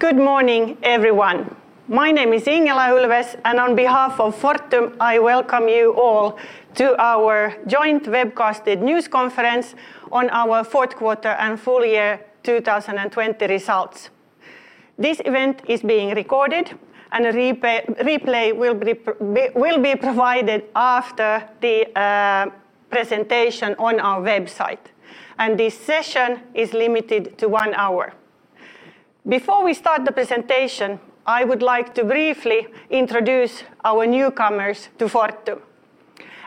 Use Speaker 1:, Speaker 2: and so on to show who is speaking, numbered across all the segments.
Speaker 1: Good morning, everyone. My name is Ingela Ulfves, on behalf of Fortum, I welcome you all to our Joint Webcasted News Conference on Our Fourth Quarter and Full Year 2020 Results. This event is being recorded, a replay will be provided after the presentation on our website. This session is limited to one hour. Before we start the presentation, I would like to briefly introduce our newcomers to Fortum.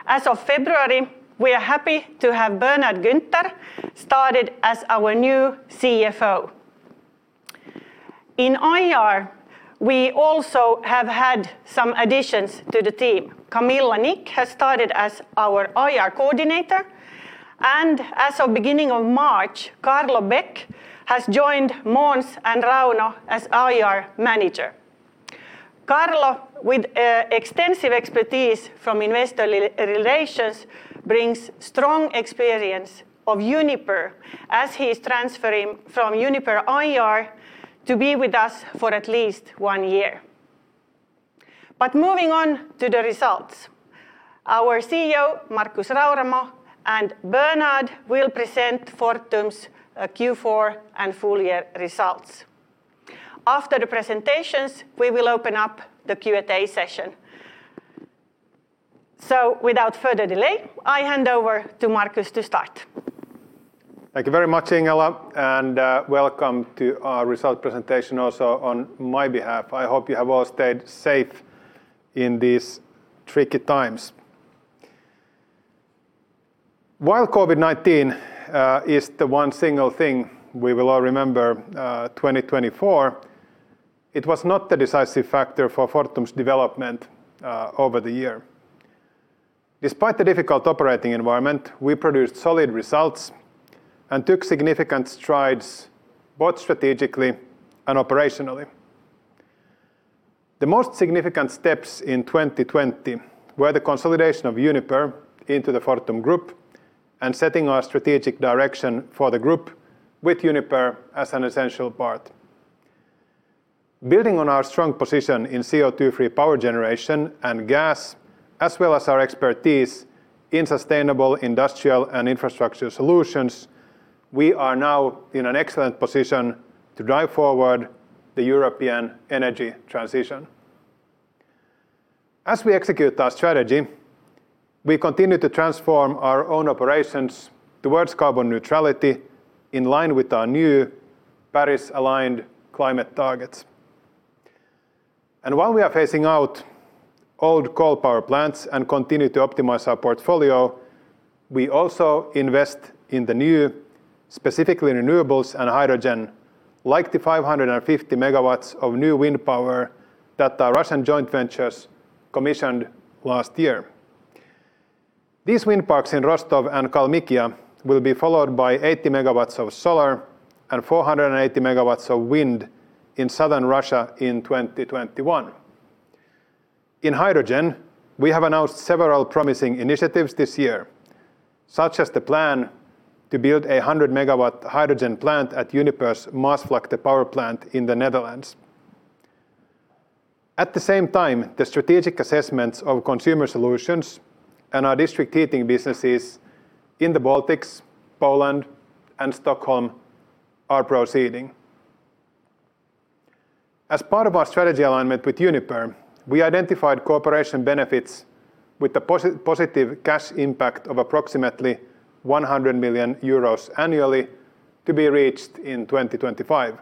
Speaker 1: As of February, we are happy to have Bernhard Günther started as our new CFO. In IR, we also have had some additions to the team. Camilla Nikk has started as our IR coordinator, as of beginning of March, Carlo Beck has joined Måns and Rauno as IR manager. Carlo, with extensive expertise from investor relations, brings strong experience of Uniper, as he's transferring from Uniper IR to be with us for at least one year. Moving on to the results. Our CEO, Markus Rauramo, and Bernhard will present Fortum's Q4 and full year results. After the presentations, we will open up the Q&A session. Without further delay, I hand over to Markus to start.
Speaker 2: Thank you very much, Ingela. Welcome to our result presentation also on my behalf. I hope you have all stayed safe in these tricky times. While COVID-19 is the one single thing we will all remember 2020, it was not the decisive factor for Fortum's development over the year. Despite the difficult operating environment, we produced solid results and took significant strides both strategically and operationally. The most significant steps in 2020 were the consolidation of Uniper into the Fortum Group and setting our strategic direction for the group with Uniper as an essential part. Building on our strong position in CO2-free power generation and gas, as well as our expertise in sustainable industrial and infrastructure solutions, we are now in an excellent position to drive forward the European energy transition. As we execute our strategy, we continue to transform our own operations towards carbon neutrality in line with our new Paris-aligned climate targets. While we are phasing out old coal power plants and continue to optimize our portfolio, we also invest in the new, specifically renewables and hydrogen, like the 550 MW of new wind power that our Russian joint ventures commissioned last year. These wind parks in Rostov and Kalmykia will be followed by 80 MW of solar and 480 MW of wind in Southern Russia in 2021. In hydrogen, we have announced several promising initiatives this year, such as the plan to build a 100-MW hydrogen plant at Uniper's Maasvlakte power plant in the Netherlands. At the same time, the strategic assessments of Consumer Solutions and our district heating businesses in the Baltics, Poland, and Stockholm are proceeding. As part of our strategy alignment with Uniper, we identified cooperation benefits with the positive cash impact of approximately 100 million euros annually to be reached in 2025.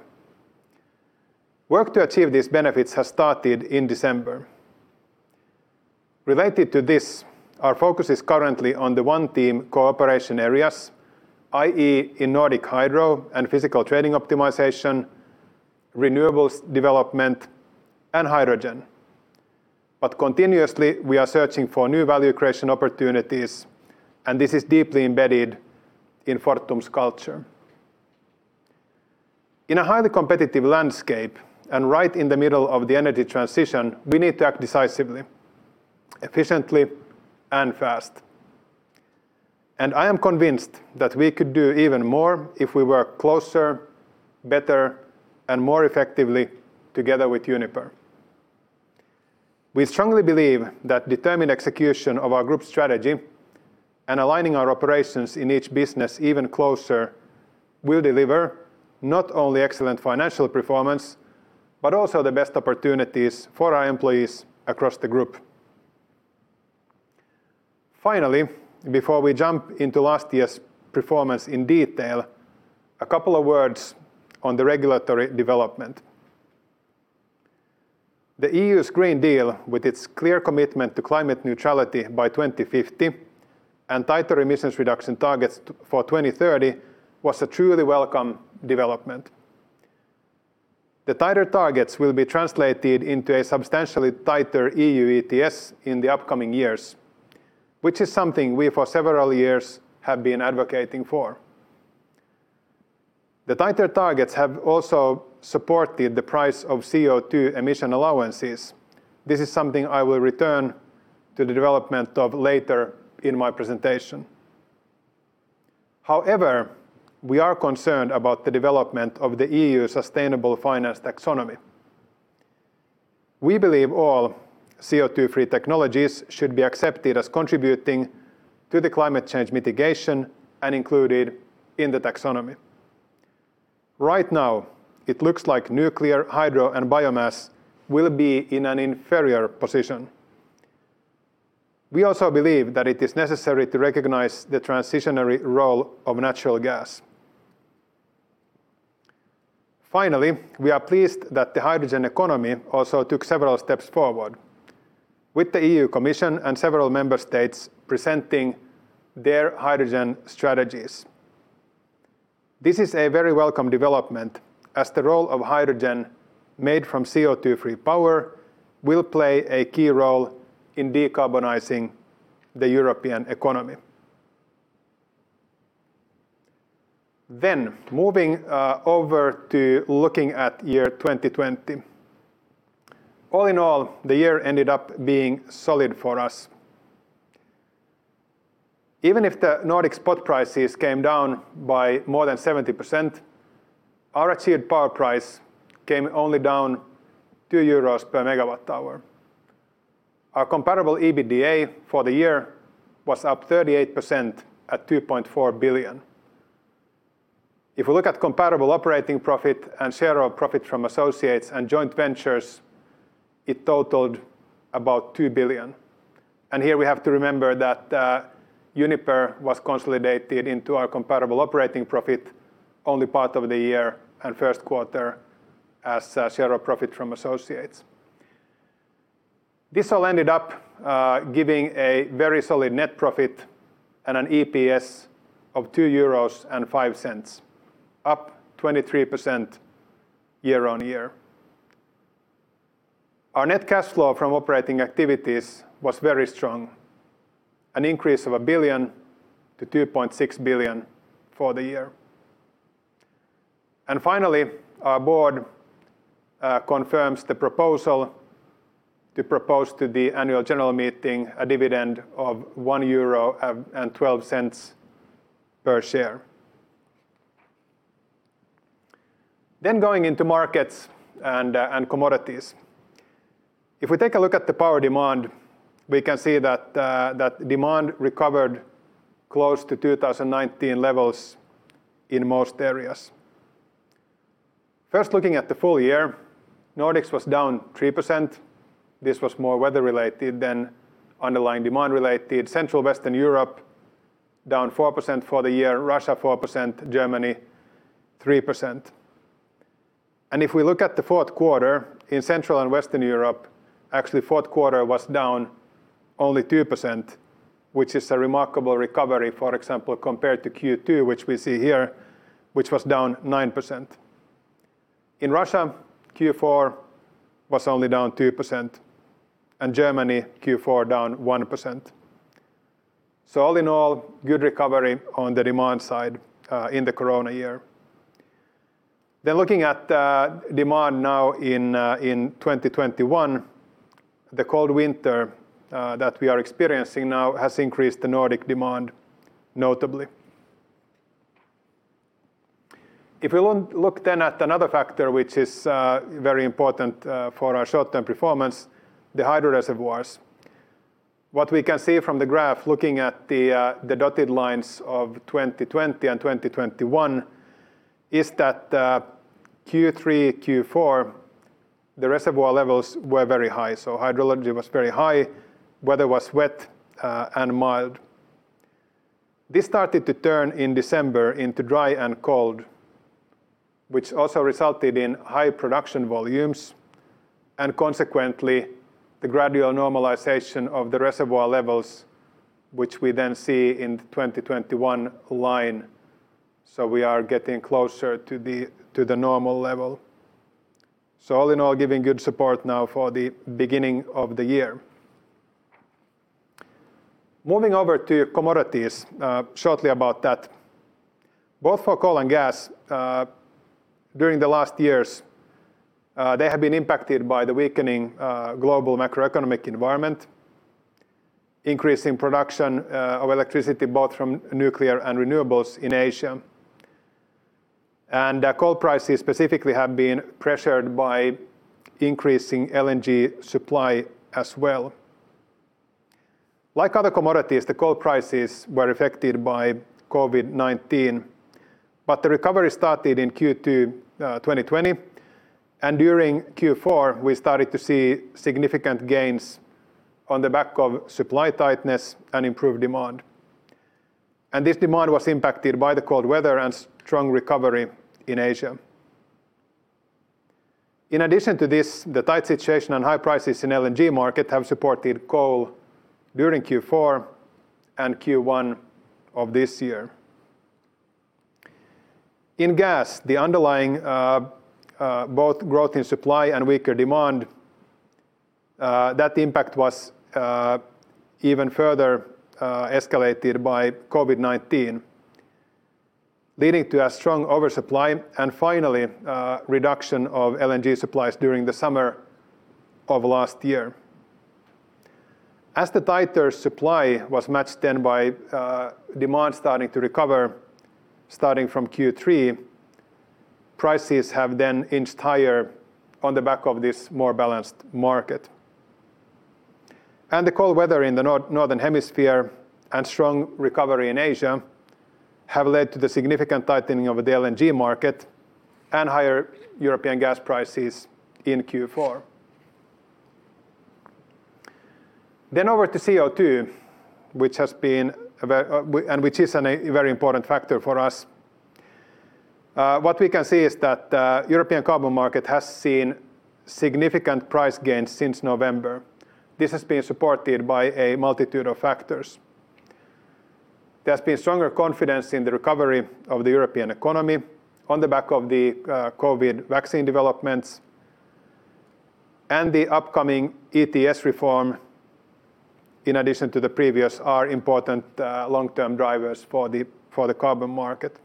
Speaker 2: Work to achieve these benefits has started in December. Related to this, our focus is currently on the one team cooperation areas, i.e., in Nordic hydro and physical trading optimization, renewables development, and hydrogen. Continuously, we are searching for new value creation opportunities, and this is deeply embedded in Fortum's culture. In a highly competitive landscape and right in the middle of the energy transition, we need to act decisively, efficiently, and fast. I am convinced that we could do even more if we work closer, better, and more effectively together with Uniper. We strongly believe that determined execution of our group strategy and aligning our operations in each business even closer will deliver not only excellent financial performance, but also the best opportunities for our employees across the group. Finally, before we jump into last year's performance in detail, a couple of words on the regulatory development. The EU's Green Deal, with its clear commitment to climate neutrality by 2050 and tighter emissions reduction targets for 2030, was a truly welcome development. The tighter targets will be translated into a substantially tighter EU ETS in the upcoming years, which is something we for several years have been advocating for. The tighter targets have also supported the price of CO2 emission allowances. This is something I will return to the development of later in my presentation. However, we are concerned about the development of the EU sustainable finance Taxonomy. We believe all CO2-free technologies should be accepted as contributing to the climate change mitigation and included in the Taxonomy. Right now, it looks like nuclear, hydro, and biomass will be in an inferior position. We also believe that it is necessary to recognize the transitionary role of natural gas. Finally, we are pleased that the hydrogen economy also took several steps forward, with the EU Commission and several member states presenting their hydrogen strategies. This is a very welcome development as the role of hydrogen made from CO2-free power will play a key role in decarbonizing the European economy. Moving over to looking at year 2020. All in all, the year ended up being solid for us. Even if the Nordic spot prices came down by more than 70%, our achieved power price came only down 2 euros per MWh. Our comparable EBITDA for the year was up 38% at 2.4 billion. If we look at comparable operating profit and share of profit from associates and joint ventures, it totaled about 2 billion. Here we have to remember that Uniper was consolidated into our comparable operating profit only part of the year and first quarter as share of profit from associates. This all ended up giving a very solid net profit and an EPS of 2.05 euros, up 23% year-on-year. Our net cash flow from operating activities was very strong, an increase of 1 billion to 2.6 billion for the year. Finally, our board confirms the proposal to propose to the Annual General Meeting a dividend of 1.12 euro per share. Going into markets and commodities. If we take a look at the power demand, we can see that demand recovered close to 2019 levels in most areas. First looking at the full year, Nordics was down 3%. This was more weather-related than underlying demand related. Central Western Europe, down 4% for the year, Russia 4%, Germany 3%. If we look at the fourth quarter in Central and Western Europe, actually fourth quarter was down only 2%, which is a remarkable recovery, for example, compared to Q2, which we see here, which was down 9%. In Russia, Q4 was only down 2%. Germany Q4 down 1%. All in all, good recovery on the demand side in the corona year. Looking at demand now in 2021, the cold winter that we are experiencing now has increased the Nordic demand notably. If we look at another factor, which is very important for our short-term performance, the hydro reservoirs. What we can see from the graph looking at the dotted lines of 2020 and 2021 is that Q3, Q4, the reservoir levels were very high. Hydrology was very high, weather was wet and mild. This started to turn in December into dry and cold, which also resulted in high production volumes and consequently, the gradual normalization of the reservoir levels, which we then see in 2021 line. We are getting closer to the normal level. All in all, giving good support now for the beginning of the year. Moving over to commodities, shortly about that. Both for coal and gas, during the last years, they have been impacted by the weakening global macroeconomic environment, increase in production of electricity, both from nuclear and renewables in Asia. Coal prices specifically have been pressured by increasing LNG supply as well. Like other commodities, the coal prices were affected by COVID-19, but the recovery started in Q2 2020, and during Q4, we started to see significant gains on the back of supply tightness and improved demand. This demand was impacted by the cold weather and strong recovery in Asia. In addition to this, the tight situation and high prices in LNG market have supported coal during Q4 and Q1 of this year. In gas, the underlying both growth in supply and weaker demand, that impact was even further escalated by COVID-19, leading to a strong oversupply, and finally, reduction of LNG supplies during the summer of last year. As the tighter supply was matched then by demand starting to recover, starting from Q3, prices have then inched higher on the back of this more balanced market. The cold weather in the Northern Hemisphere and strong recovery in Asia have led to the significant tightening of the LNG market and higher European gas prices in Q4. Over to CO2, which is a very important factor for us. What we can see is that the European carbon market has seen significant price gains since November. This has been supported by a multitude of factors. There's been stronger confidence in the recovery of the European economy on the back of the COVID vaccine developments and the upcoming ETS reform, in addition to the previous, are important long-term drivers for the carbon market.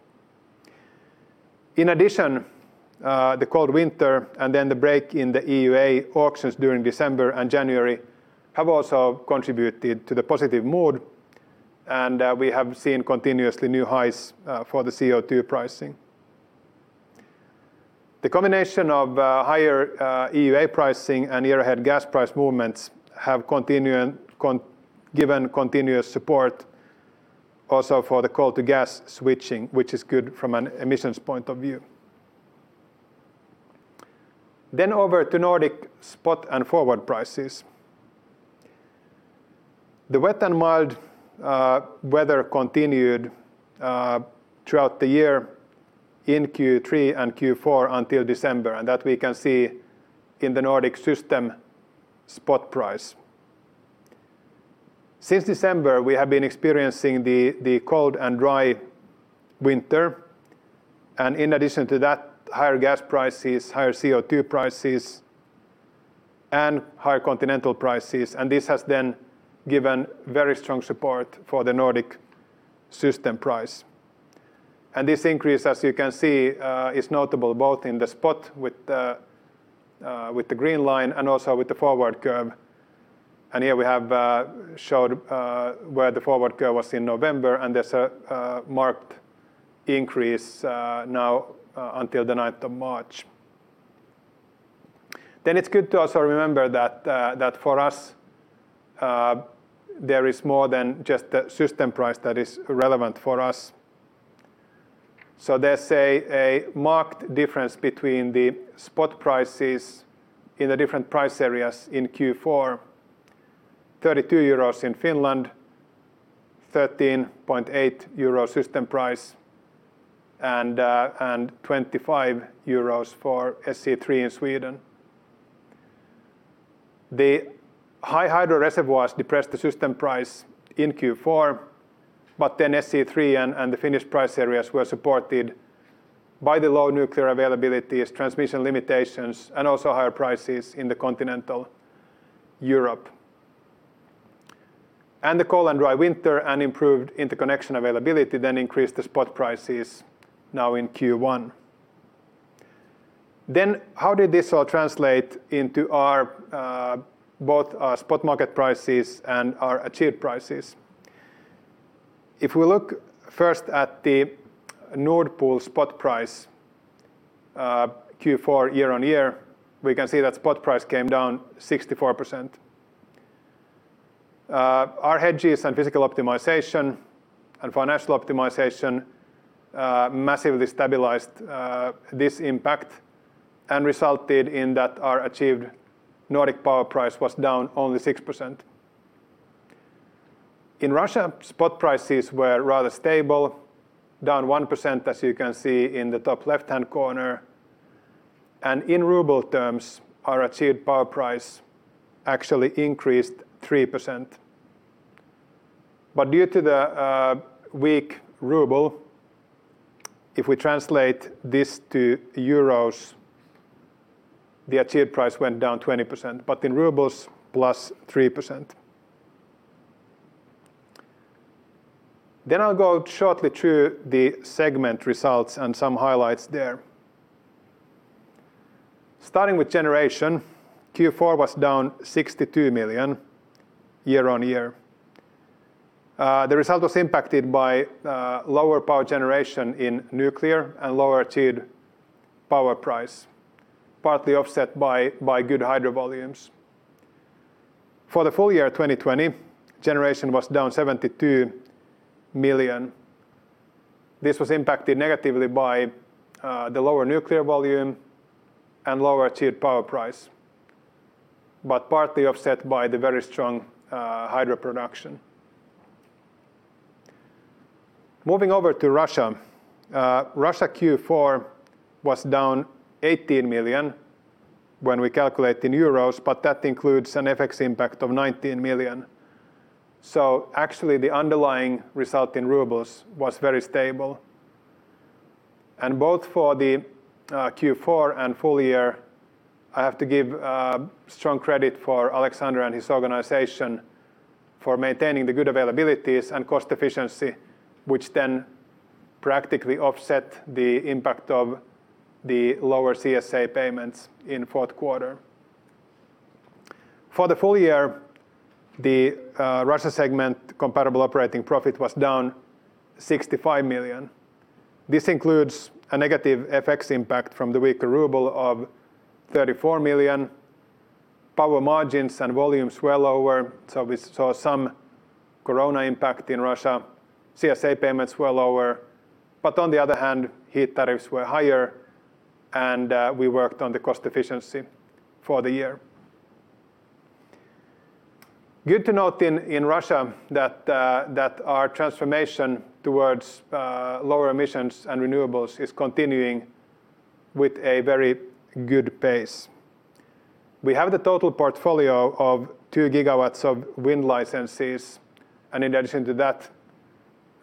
Speaker 2: The cold winter and then the break in the EUA auctions during December and January have also contributed to the positive mood, and we have seen continuously new highs for the CO2 pricing. The combination of higher EUA pricing and year-ahead gas price movements have given continuous support also for the coal to gas switching, which is good from an emissions point of view. Over to Nordic spot and forward prices. The wet and mild weather continued throughout the year in Q3 and Q4 until December, and that we can see in the Nordic system spot price. Since December, we have been experiencing the cold and dry winter. In addition to that, higher gas prices, higher CO2 prices, and higher continental prices, and this has then given very strong support for the Nordic system price. This increase, as you can see, is notable both in the spot with the green line and also with the forward curve. Here we have showed where the forward curve was in November, and there's a marked increase now until the 9th of March. It's good to also remember that for us, there is more than just the system price that is relevant for us. There's a marked difference between the spot prices in the different price areas in Q4. 32 euros in Finland, 13.80 euro system price, and 25 euros for SE3 in Sweden. The high hydro reservoirs depressed the system price in Q4, SE3 and the Finnish price areas were supported by the low nuclear availability, transmission limitations, and also higher prices in the continental Europe. The cold and dry winter and improved interconnection availability increased the spot prices now in Q1. How did this all translate into our both spot market prices and our achieved prices? If we look first at the Nord Pool spot price, Q4 year-on-year, we can see that spot price came down 64%. Our hedges and physical optimization and financial optimization massively stabilized this impact and resulted in that our achieved Nordic power price was down only 6%. In Russia, spot prices were rather stable, down 1%, as you can see in the top left-hand corner. In ruble terms, our achieved power price actually increased 3%. Due to the weak ruble, if we translate this to euros, the achieved price went down 20%, but in rubles, plus 3%. I'll go shortly through the segment results and some highlights there. Starting with Generation, Q4 was down 62 million year-on-year. The result was impacted by lower power generation in nuclear and lower achieved power price, partly offset by good hydro volumes. For the full year 2020, Generation was down 72 million. This was impacted negatively by the lower nuclear volume and lower achieved power price, but partly offset by the very strong hydro production. Moving over to Russia. Russia Q4 was down 18 million when we calculate in euros, but that includes an FX impact of 19 million. Actually, the underlying result in rubles was very stable. Both for the Q4 and full year, I have to give strong credit for Alexander and his organization for maintaining the good availabilities and cost efficiency, which then practically offset the impact of the lower CSA payments in fourth quarter. For the full year, the Russia segment comparable operating profit was down 65 million. This includes a negative FX impact from the weaker ruble of 34 million. Power margins and volumes were lower, so we saw some corona impact in Russia. CSA payments were lower, but on the other hand, heat tariffs were higher and we worked on the cost efficiency for the year. Good to note in Russia that our transformation towards lower emissions and renewables is continuing with a very good pace. We have the total portfolio of 2 GW of wind licenses, and in addition to that,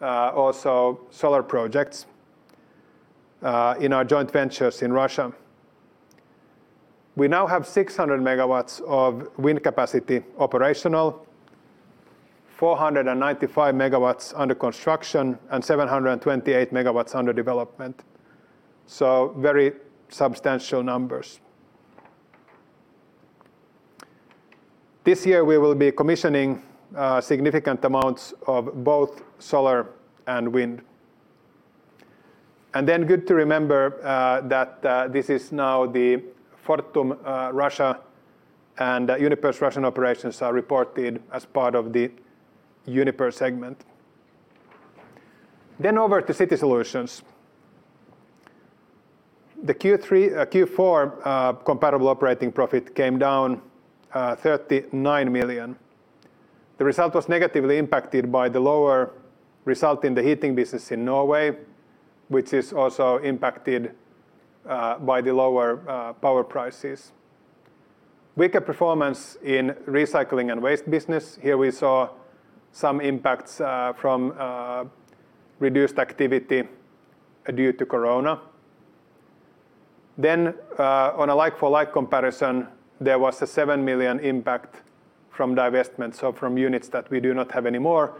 Speaker 2: also solar projects in our joint ventures in Russia. We now have 600 MW of wind capacity operational, 495 MW under construction, and 728 MW under development. Very substantial numbers. This year we will be commissioning significant amounts of both solar and wind. Good to remember that this is now the Fortum Russia and Uniper's Russian operations are reported as part of the Uniper segment. Over to City Solutions. The Q4 comparable operating profit came down 39 million. The result was negatively impacted by the lower result in the heating business in Norway, which is also impacted by the lower power prices. Weaker performance in Recycling and Waste business. Here we saw some impacts from reduced activity due to corona. On a like-for-like comparison, there was a 7 million impact from divestment, so from units that we do not have anymore.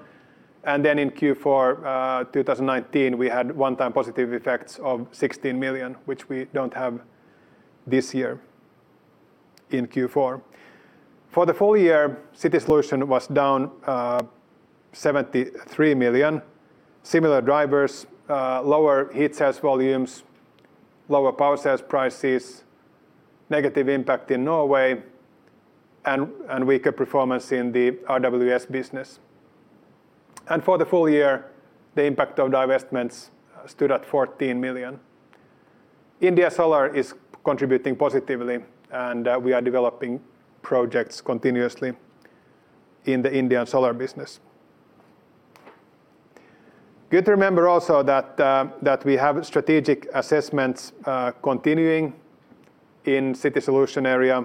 Speaker 2: In Q4 2019, we had one-time positive effects of 16 million, which we don't have this year in Q4. For the full year, City Solutions was down 73 million. Similar drivers, lower heat sales volumes, lower power sales prices, negative impact in Norway, and weaker performance in the RWS business. For the full year, the impact of divestments stood at 14 million. India Solar is contributing positively, and we are developing projects continuously in the Indian solar business. Good to remember also that we have strategic assessments continuing in City Solutions area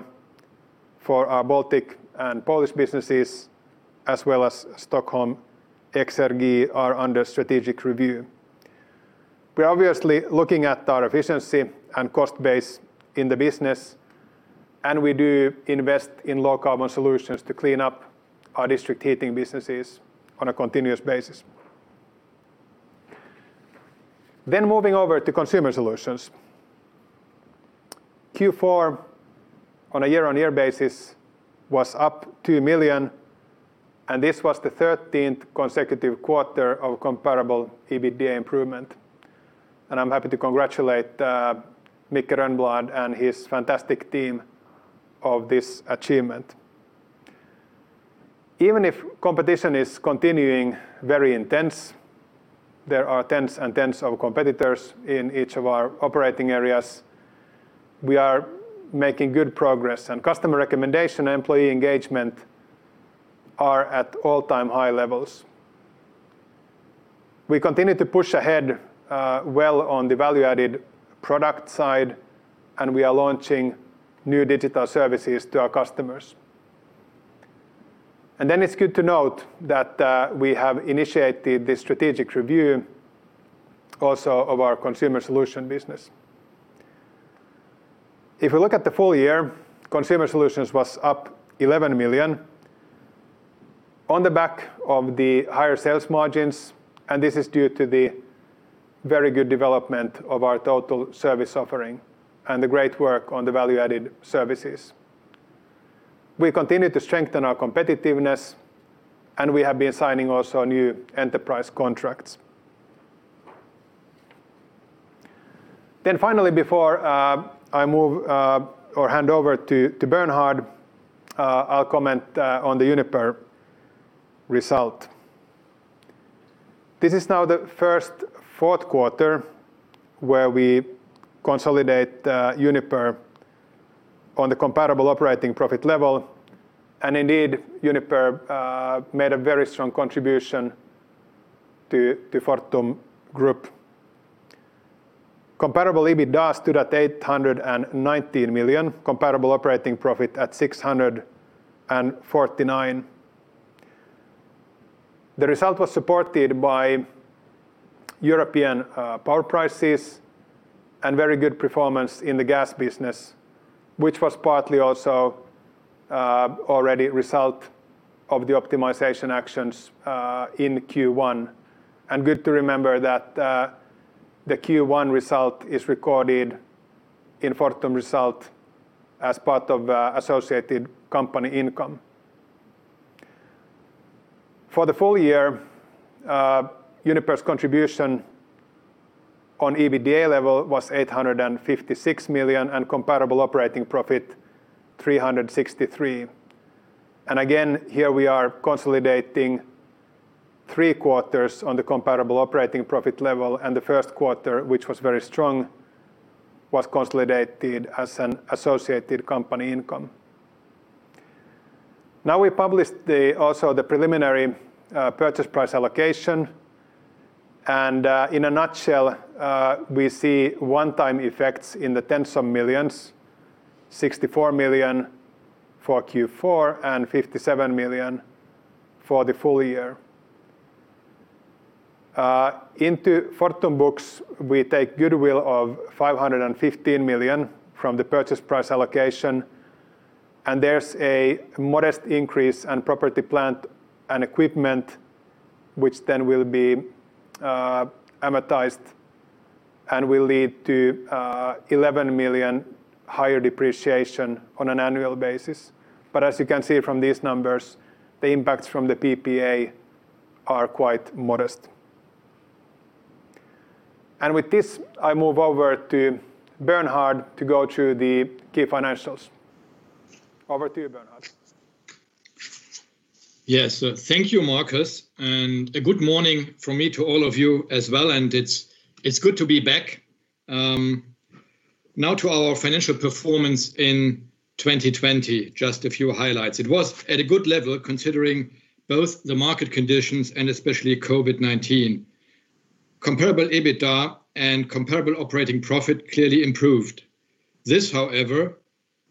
Speaker 2: for our Baltic and Polish businesses as well as Stockholm Exergi are under strategic review. We're obviously looking at our efficiency and cost base in the business, we do invest in low-carbon solutions to clean up our district heating businesses on a continuous basis. Moving over to Consumer Solutions. Q4 on a year-on-year basis was up 2 million, this was the 13th consecutive quarter of comparable EBITDA improvement. I'm happy to congratulate Micke Rönnblad and his fantastic team of this achievement. Even if competition is continuing very intense, there are tens and tens of competitors in each of our operating areas, we are making good progress and customer recommendation, employee engagement are at all-time high levels. We continue to push ahead well on the value-added product side, and we are launching new digital services to our customers. It's good to note that we have initiated the strategic review also of our Consumer Solutions business. If we look at the full year, Consumer Solutions was up 11 million on the back of the higher sales margins, and this is due to the very good development of our total service offering and the great work on the value-added services. We continue to strengthen our competitiveness, and we have been signing also new enterprise contracts. Finally, before I hand over to Bernhard, I'll comment on the Uniper result. This is now the first fourth quarter where we consolidate Uniper on the comparable operating profit level. Indeed, Uniper made a very strong contribution to Fortum Group. Comparable EBITDA stood at 819 million, comparable operating profit at 649. The result was supported by European power prices and very good performance in the gas business, which was partly also already result of the optimization actions in Q1. Good to remember that the Q1 result is recorded in Fortum result as part of associated company income. For the full year, Uniper's contribution on EBITDA level was 856 million and comparable operating profit 363. Again, here we are consolidating three quarters on the comparable operating profit level, and the first quarter, which was very strong, was consolidated as an associated company income. Now we published also the preliminary purchase price allocation. In a nutshell, we see one-time effects in the tens of millions, 64 million for Q4, and 57 million for the full year. Into Fortum books, we take goodwill of 515 million from the purchase price allocation, and there's a modest increase in property plant and equipment, which then will be amortized and will lead to 11 million higher depreciation on an annual basis. As you can see from these numbers, the impacts from the PPA are quite modest. With this, I move over to Bernhard to go through the key financials. Over to you, Bernhard.
Speaker 3: Yes. Thank you, Markus. Good morning from me to all of you as well. It's good to be back. Now to our financial performance in 2020, just a few highlights. It was at a good level, considering both the market conditions and especially COVID-19. Comparable EBITDA and comparable operating profit clearly improved. This, however,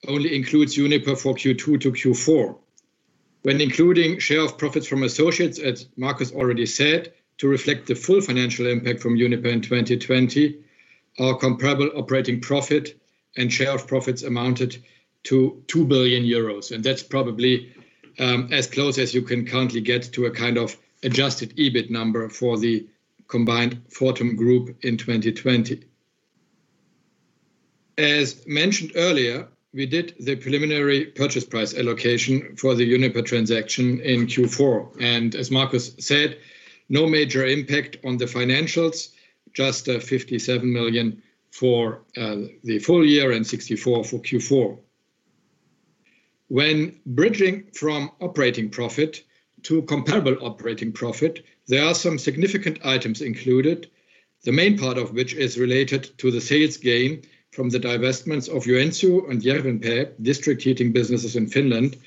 Speaker 3: only includes Uniper for Q2-Q4. When including share of profits from associates, as Markus already said, to reflect the full financial impact from Uniper in 2020, our comparable operating profit and share of profits amounted to 2 billion euros. That's probably as close as you can currently get to a kind of adjusted EBIT number for the combined Fortum Group in 2020. As mentioned earlier, we did the preliminary purchase price allocation for the Uniper transaction in Q4. As Markus said, no major impact on the financials, just a 57 million for the full year and 64 for Q4. When bridging from operating profit to comparable operating profit, there are some significant items included, the main part of which is related to the sales gain from the divestments of Joensuu and Järvenpää district heating businesses in Finland.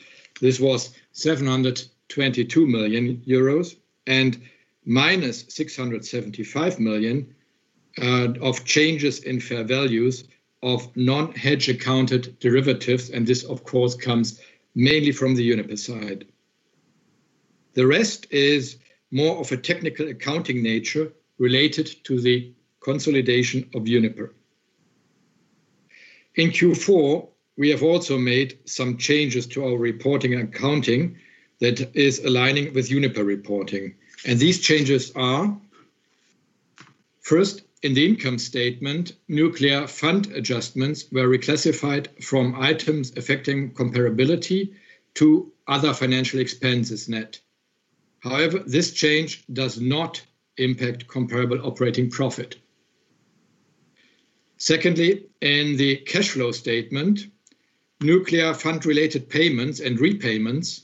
Speaker 3: This was 722 million euros and -675 million of changes in fair values of non-hedge accounted derivatives. This, of course, comes mainly from the Uniper side. The rest is more of a technical accounting nature related to the consolidation of Uniper. In Q4, we have also made some changes to our reporting and accounting that is aligning with Uniper reporting. These changes are, first, in the income statement, nuclear fund adjustments were reclassified from items affecting comparability to other financial expenses net. However, this change does not impact comparable operating profit. Secondly, in the cash flow statement, nuclear fund-related payments and repayments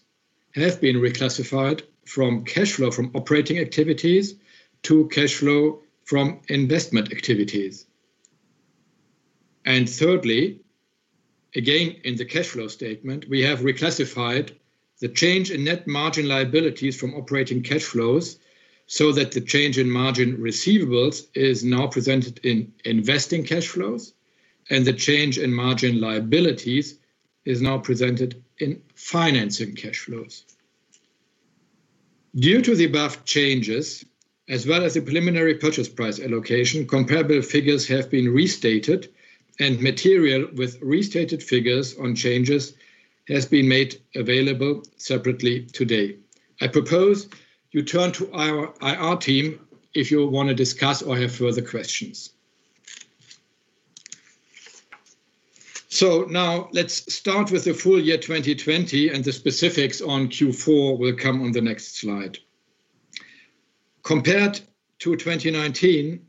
Speaker 3: have been reclassified from cash flow from operating activities to cash flow from investment activities. Thirdly, again, in the cash flow statement, we have reclassified the change in net margin liabilities from operating cash flows so that the change in margin receivables is now presented in investing cash flows and the change in margin liabilities is now presented in financing cash flows. Due to the above changes, as well as the preliminary purchase price allocation, comparable figures have been restated and material with restated figures on changes has been made available separately today. I propose you turn to our IR team if you want to discuss or have further questions. Now let's start with the full year 2020 and the specifics on Q4 will come on the next slide. Compared to 2019,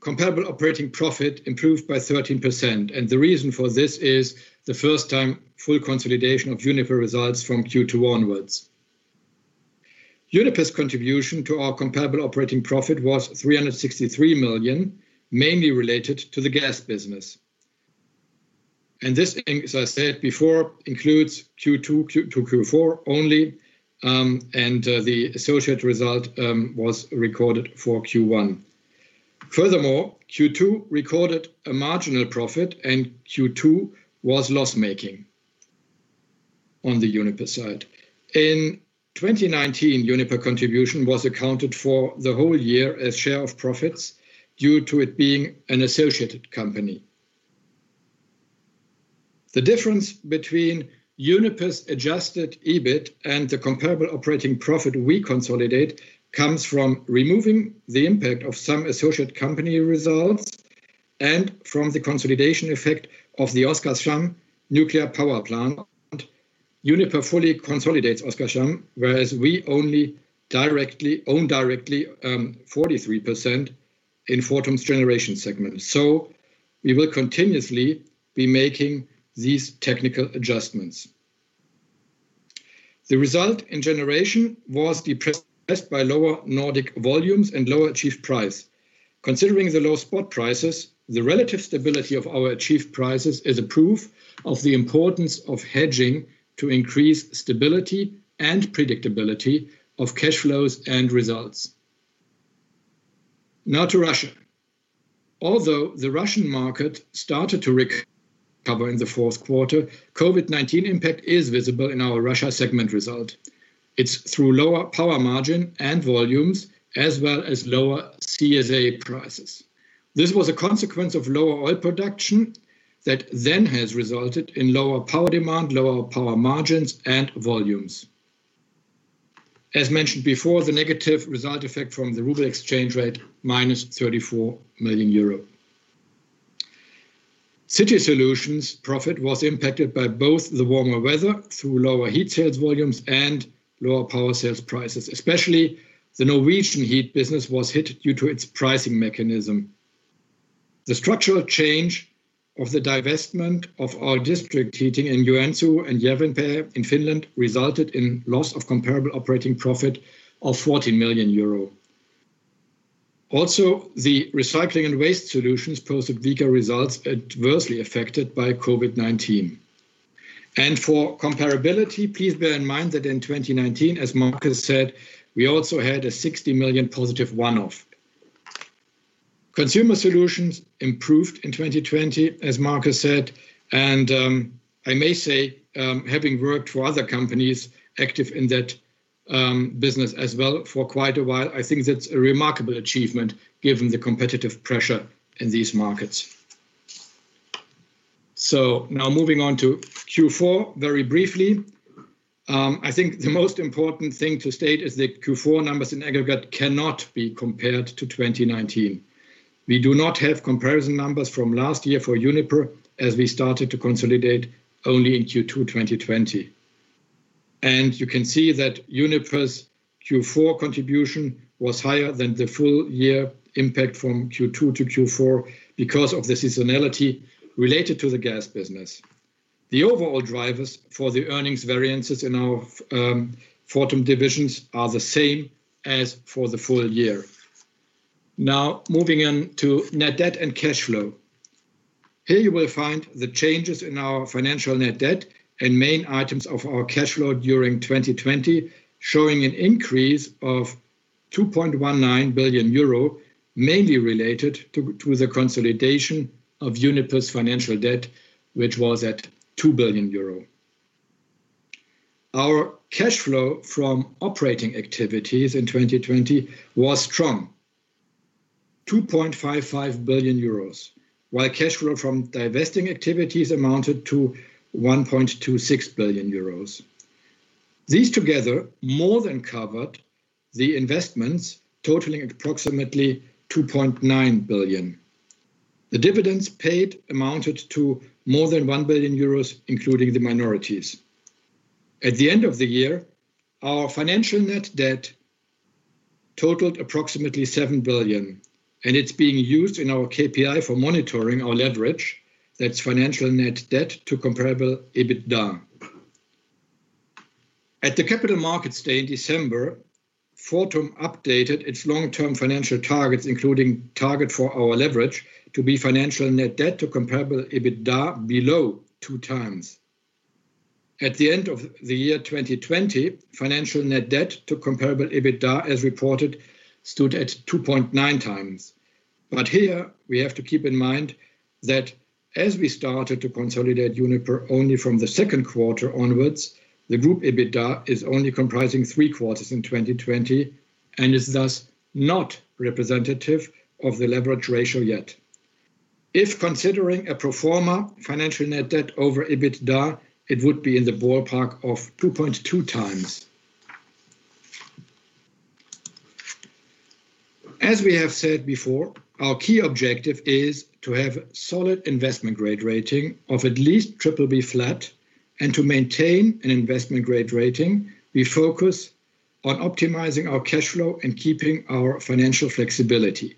Speaker 3: comparable operating profit improved by 13%, and the reason for this is the first time full consolidation of Uniper results from Q2 onwards. Uniper's contribution to our comparable operating profit was 363 million, mainly related to the gas business. This, as I said before, includes Q2-Q4 only, and the associate result was recorded for Q1. Furthermore, Q2 recorded a marginal profit and Q2 was loss-making on the Uniper side. In 2019, Uniper contribution was accounted for the whole year as share of profits due to it being an associated company. The difference between Uniper's adjusted EBIT and the comparable operating profit we consolidate comes from removing the impact of some associate company results and from the consolidation effect of the Oskarshamn Nuclear Power Plant. Uniper fully consolidates Oskarshamn, whereas we only own directly 43% in Fortum's Generation segment. We will continuously be making these technical adjustments. The result in Generation was depressed by lower Nordic volumes and lower achieved price. Considering the low spot prices, the relative stability of our achieved prices is a proof of the importance of hedging to increase stability and predictability of cash flows and results. Now to Russia. Although the Russian market started to recover in the fourth quarter, COVID-19 impact is visible in our Russia segment result. It's through lower power margin and volumes, as well as lower CSA prices. This was a consequence of lower oil production that then has resulted in lower power demand, lower power margins, and volumes. As mentioned before, the negative result effect from the ruble exchange rate minus 34 million euro. City Solutions' profit was impacted by both the warmer weather through lower heat sales volumes and lower power sales prices. Especially, the Norwegian heat business was hit due to its pricing mechanism. The structural change of the divestment of our district heating in Joensuu and Järvenpää in Finland resulted in loss of comparable operating profit of 14 million euro. The Recycling and Waste Solutions posted weaker results adversely affected by COVID-19. For comparability, please bear in mind that in 2019, as Markus said, we also had a 60 million positive one-off. Consumer Solutions improved in 2020, as Markus said, and I may say, having worked for other companies active in that business as well for quite a while, I think that's a remarkable achievement given the competitive pressure in these markets. Now moving on to Q4 very briefly. I think the most important thing to state is that Q4 numbers in aggregate cannot be compared to 2019. We do not have comparison numbers from last year for Uniper, as we started to consolidate only in Q2 2020. You can see that Uniper's Q4 contribution was higher than the full year impact from Q2-Q4 because of the seasonality related to the gas business. The overall drivers for the earnings variances in our Fortum divisions are the same as for the full year. Now, moving on to net debt and cash flow. Here you will find the changes in our financial net debt and main items of our cash flow during 2020, showing an increase of 2.19 billion euro, mainly related to the consolidation of Uniper's financial debt, which was at 2 billion euro. Our cash flow from operating activities in 2020 was strong, 2.55 billion euros, while cash flow from divesting activities amounted to 1.26 billion euros. These together more than covered the investments totaling approximately 2.9 billion. The dividends paid amounted to more than 1 billion euros, including the minorities. At the end of the year, our financial net debt totaled approximately 7 billion, and it's being used in our KPI for monitoring our leverage. That's financial net debt to comparable EBITDA. At the Capital Markets Day in December, Fortum updated its long-term financial targets, including target for our leverage, to be financial net debt to comparable EBITDA below 2x. At the end of the year 2020, financial net debt to comparable EBITDA, as reported, stood at 2.9x. Here we have to keep in mind that as we started to consolidate Uniper only from the second quarter onwards, the group EBITDA is only comprising three quarters in 2020 and is thus not representative of the leverage ratio yet. If considering a pro forma financial net debt over EBITDA, it would be in the ballpark of 2.2x. As we have said before, our key objective is to have solid investment-grade rating of at least BBB flat, and to maintain an investment-grade rating. We focus on optimizing our cash flow and keeping our financial flexibility.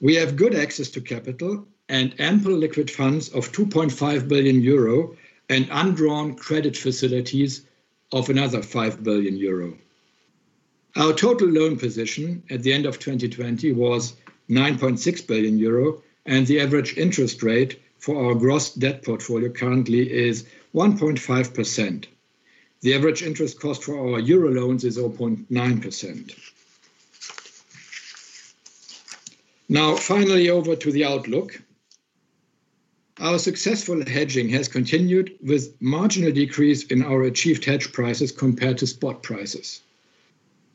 Speaker 3: We have good access to capital and ample liquid funds of 2.5 billion euro and undrawn credit facilities of another 5 billion euro. Our total loan position at the end of 2020 was 9.6 billion euro, and the average interest rate for our gross debt portfolio currently is 1.5%. The average interest cost for our euro loans is 0.9%. Now, finally over to the outlook. Our successful hedging has continued with marginal decrease in our achieved hedge prices compared to spot prices.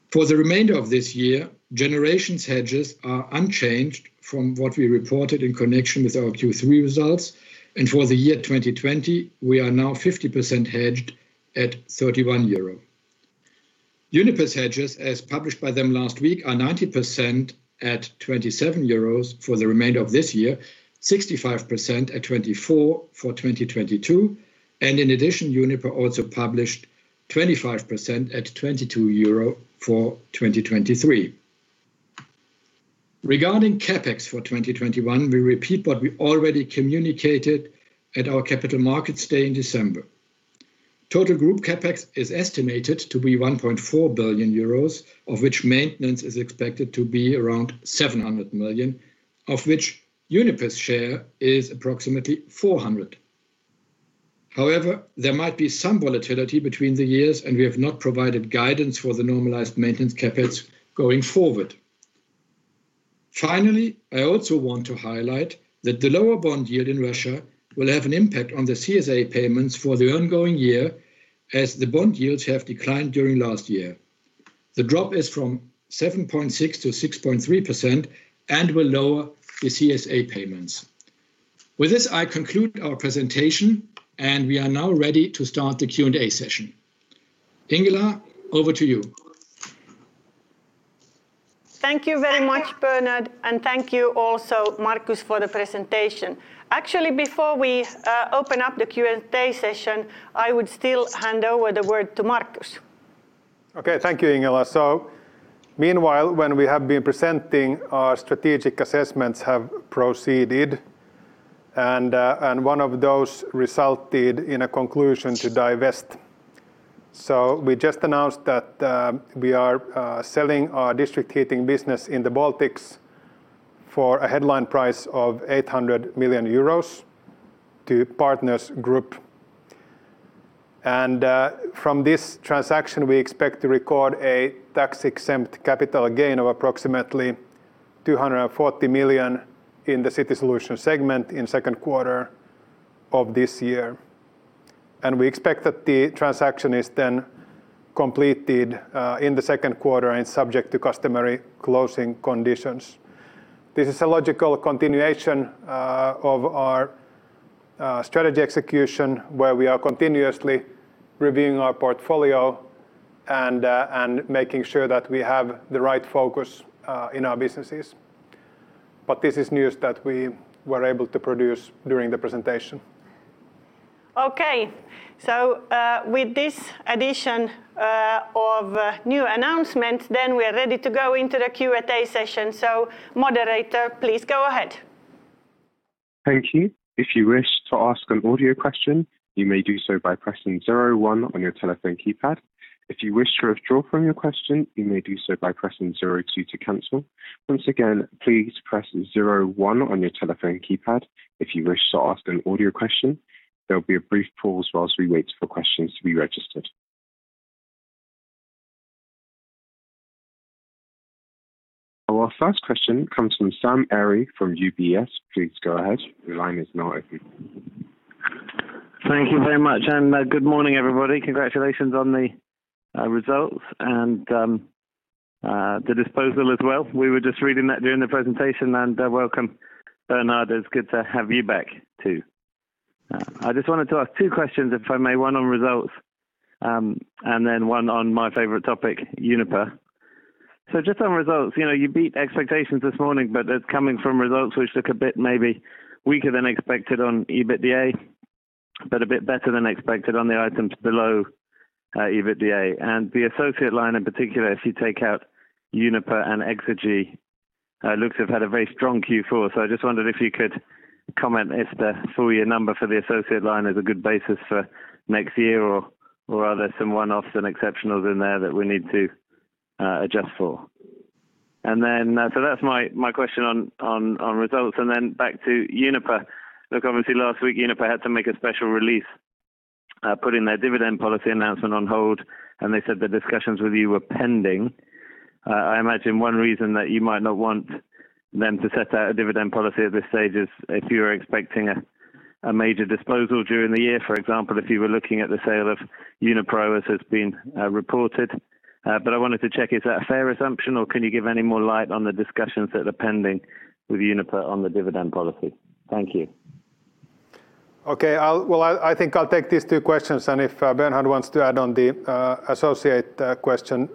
Speaker 3: For the remainder of this year, Generations hedges are unchanged from what we reported in connection with our Q3 results, and for the year 2020, we are now 50% hedged at 31 euro. Uniper's hedges, as published by them last week, are 90% at 27 euros for the remainder of this year, 65% at 24 for 2022, and in addition, Uniper also published 25% at 22 euro for 2023. Regarding CapEx for 2021, we repeat what we already communicated at our Capital Markets Day in December. Total group CapEx is estimated to be 1.4 billion euros, of which maintenance is expected to be around 700 million, of which Uniper's share is approximately 400 million. However, there might be some volatility between the years, and we have not provided guidance for the normalized maintenance CapEx going forward. Finally, I also want to highlight that the lower bond yield in Russia will have an impact on the CSA payments for the ongoing year, as the bond yields have declined during last year. The drop is from 7.6% to 6.3% and will lower the CSA payments. With this, I conclude our presentation and we are now ready to start the Q&A session. Ingela, over to you.
Speaker 1: Thank you very much, Bernhard. Thank you also, Markus, for the presentation. Actually, before we open up the Q&A session, I would still hand over the word to Markus.
Speaker 2: Okay. Thank you, Ingela. Meanwhile, when we have been presenting, our strategic assessments have proceeded, and one of those resulted in a conclusion to divest. We just announced that we are selling our district heating business in the Baltics for a headline price of 800 million euros to Partners Group. From this transaction, we expect to record a tax-exempt capital gain of approximately 240 million in the City Solutions segment in second quarter of this year. We expect that the transaction is then completed in the second quarter and subject to customary closing conditions. This is a logical continuation of our strategy execution, where we are continuously reviewing our portfolio and making sure that we have the right focus in our businesses. This is news that we were able to produce during the presentation.
Speaker 1: Okay. With this addition of new announcement, we are ready to go into the Q&A session. Moderator, please go ahead.
Speaker 4: Thank you. If you wish to ask an audio question, you may do so by pressing zero one on your telephone keypad. If you wish to withdraw from your question, you may do so by pressing zero two to cancel. Once again, please press zero one on your telephone keypad if you wish to ask an audio question. There will be a brief pause while we wait for questions to be registered. Our first question comes from Sam Arie from UBS. Please go ahead. Your line is now open.
Speaker 5: Thank you very much, and good morning, everybody. Congratulations on the results and the disposal as well. We were just reading that during the presentation and welcome, Bernhard. It's good to have you back too. I just wanted to ask two questions, if I may, one on results, and then one on my favorite topic, Uniper. Just on results, you beat expectations this morning, but that's coming from results which look a bit maybe weaker than expected on EBITDA, but a bit better than expected on the items below EBITDA. The associate line in particular, if you take out Uniper and Exergi, looks to have had a very strong Q4. I just wondered if you could comment if the full year number for the associate line is a good basis for next year or are there some one-offs and exceptionals in there that we need to adjust for? That's my question on results and then back to Uniper. Look, obviously last week, Uniper had to make a special release, putting their dividend policy announcement on hold, and they said the discussions with you were pending. I imagine one reason that you might not want them to set out a dividend policy at this stage is if you were expecting a major disposal during the year, for example, if you were looking at the sale of Uniper as has been reported. I wanted to check, is that a fair assumption, or can you give any more light on the discussions that are pending with Uniper on the dividend policy? Thank you.
Speaker 2: Okay. Well, I think I'll take these two questions, and if Bernhard wants to add on the associate question,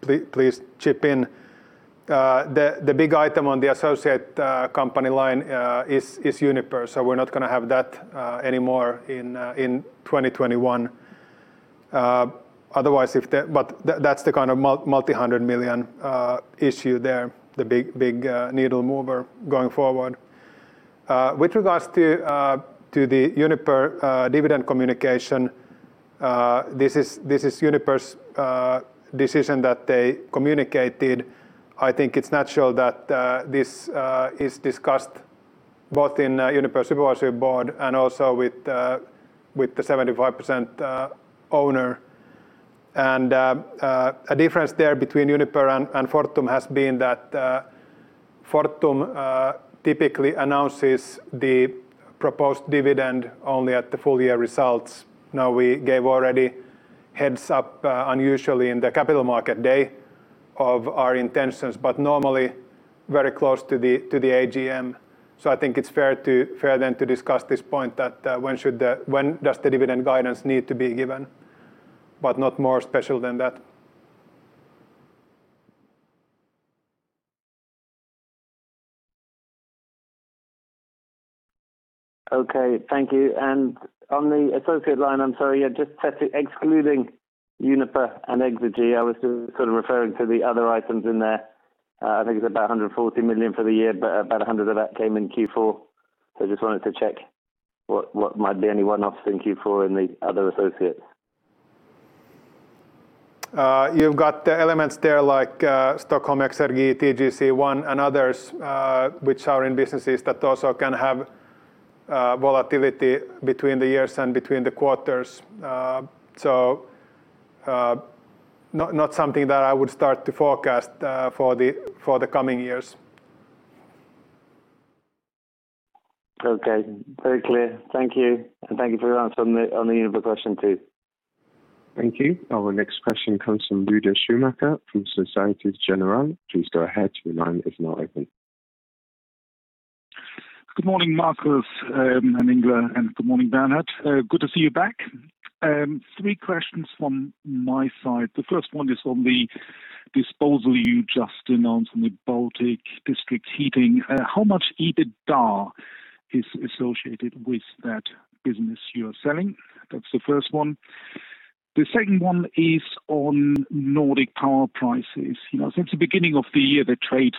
Speaker 2: please chip in. The big item on the associate company line is Uniper. We're not going to have that anymore in 2021. That's the kind of multi-hundred million euro issue there, the big needle mover going forward. With regards to the Uniper dividend communication, this is Uniper's decision that they communicated. I think it's natural that this is discussed both in Uniper supervisory board and also with the 75% owner. A difference there between Uniper and Fortum has been that Fortum typically announces the proposed dividend only at the full year results. Now we gave already heads up unusually in the Capital Market Day of our intentions, but normally very close to the AGM. I think it's fair then to discuss this point that when does the dividend guidance need to be given? Not more special than that.
Speaker 5: Okay. Thank you. On the associate line, I'm sorry, just testing, excluding Uniper and Exergi, I was just sort of referring to the other items in there. I think it's about 140 million for the year, but about 100 of that came in Q4. I just wanted to check what might be any one-offs in Q4 in the other associates.
Speaker 2: You've got the elements there like Stockholm Exergi, TGC-1 and others, which are in businesses that also can have volatility between the years and between the quarters. Not something that I would start to forecast for the coming years.
Speaker 5: Okay. Very clear. Thank you. Thank you for your answer on the Uniper question, too.
Speaker 4: Thank you. Our next question comes from Lueder Schumacher from Societe Generale. Please go ahead, your line is now open.
Speaker 6: Good morning, Markus and Ingela, good morning, Bernhard. Good to see you back. Three questions from my side. The first one is on the disposal you just announced on the Baltic district heating. How much EBITDA is associated with that business you are selling? That's the first one. The second one is on Nordic power prices. Since the beginning of the year, they trade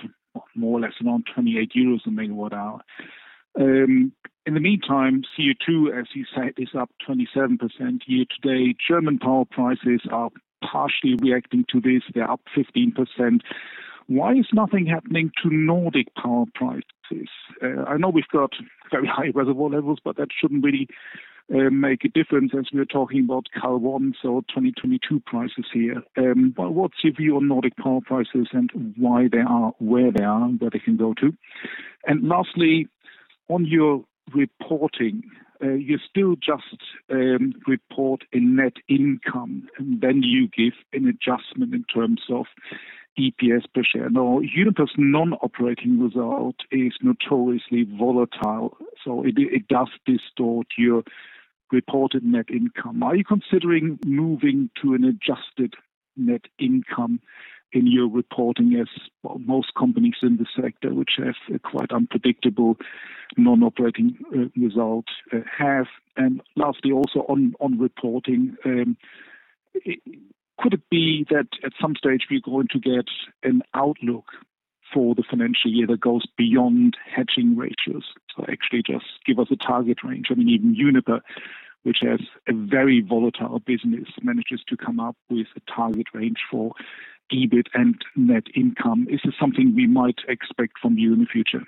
Speaker 6: more or less around 28 euros a megawatt hour. In the meantime, CO2, as you said, is up 27% year-to-date. German power prices are partially reacting to this. They're up 15%. Why is nothing happening to Nordic power prices? I know we've got very high reservoir levels, that shouldn't really make a difference as we're talking about coal ones or 2022 prices here. What's your view on Nordic power prices and why they are where they are and where they can go to? Lastly, on your reporting, you still just report a net income and then you give an adjustment in terms of EPS per share. Now Uniper's non-operating result is notoriously volatile, so it does distort your reported net income. Are you considering moving to an adjusted net income in your reporting as most companies in the sector, which have a quite unpredictable non-operating result have? Lastly also on reporting, could it be that at some stage we're going to get an outlook for the financial year that goes beyond hedging ratios? Actually just give us a target range. I mean, even Uniper, which has a very volatile business, manages to come up with a target range for EBIT and net income. Is this something we might expect from you in the future?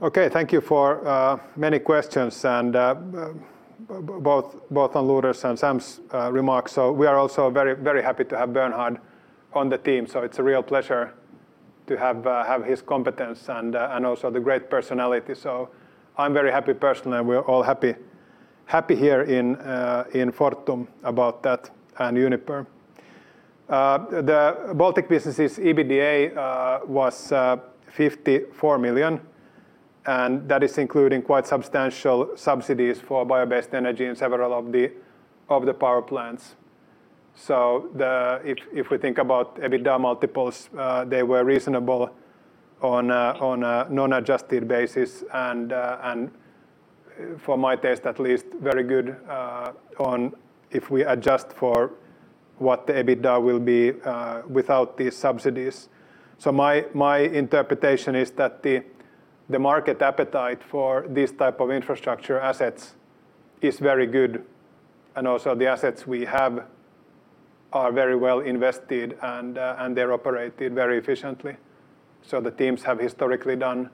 Speaker 2: Okay. Thank you for many questions and both on Lueder's and Sam's remarks. We are also very happy to have Bernhard on the team. It's a real pleasure to have his competence and also the great personality. I'm very happy personally, and we're all happy here in Fortum about that and Uniper. The Baltic business's EBITDA was 54 million, and that is including quite substantial subsidies for bio-based energy in several of the power plants. If we think about EBITDA multiples, they were reasonable on a non-adjusted basis and for my taste, at least very good on if we adjust for what the EBITDA will be without these subsidies. My interpretation is that the market appetite for these type of infrastructure assets is very good and also the assets we have are very well invested and they're operated very efficiently. The teams have historically done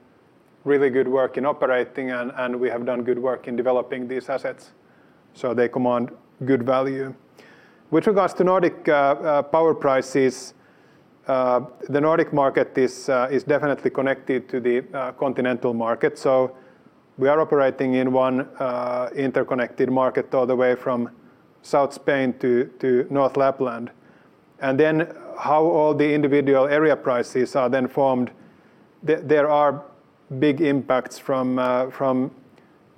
Speaker 2: really good work in operating and we have done good work in developing these assets. They command good value. With regards to Nordic power prices, the Nordic market is definitely connected to the continental market. We are operating in one interconnected market all the way from South Spain to North Lapland. How all the individual area prices are then formed, there are big impacts from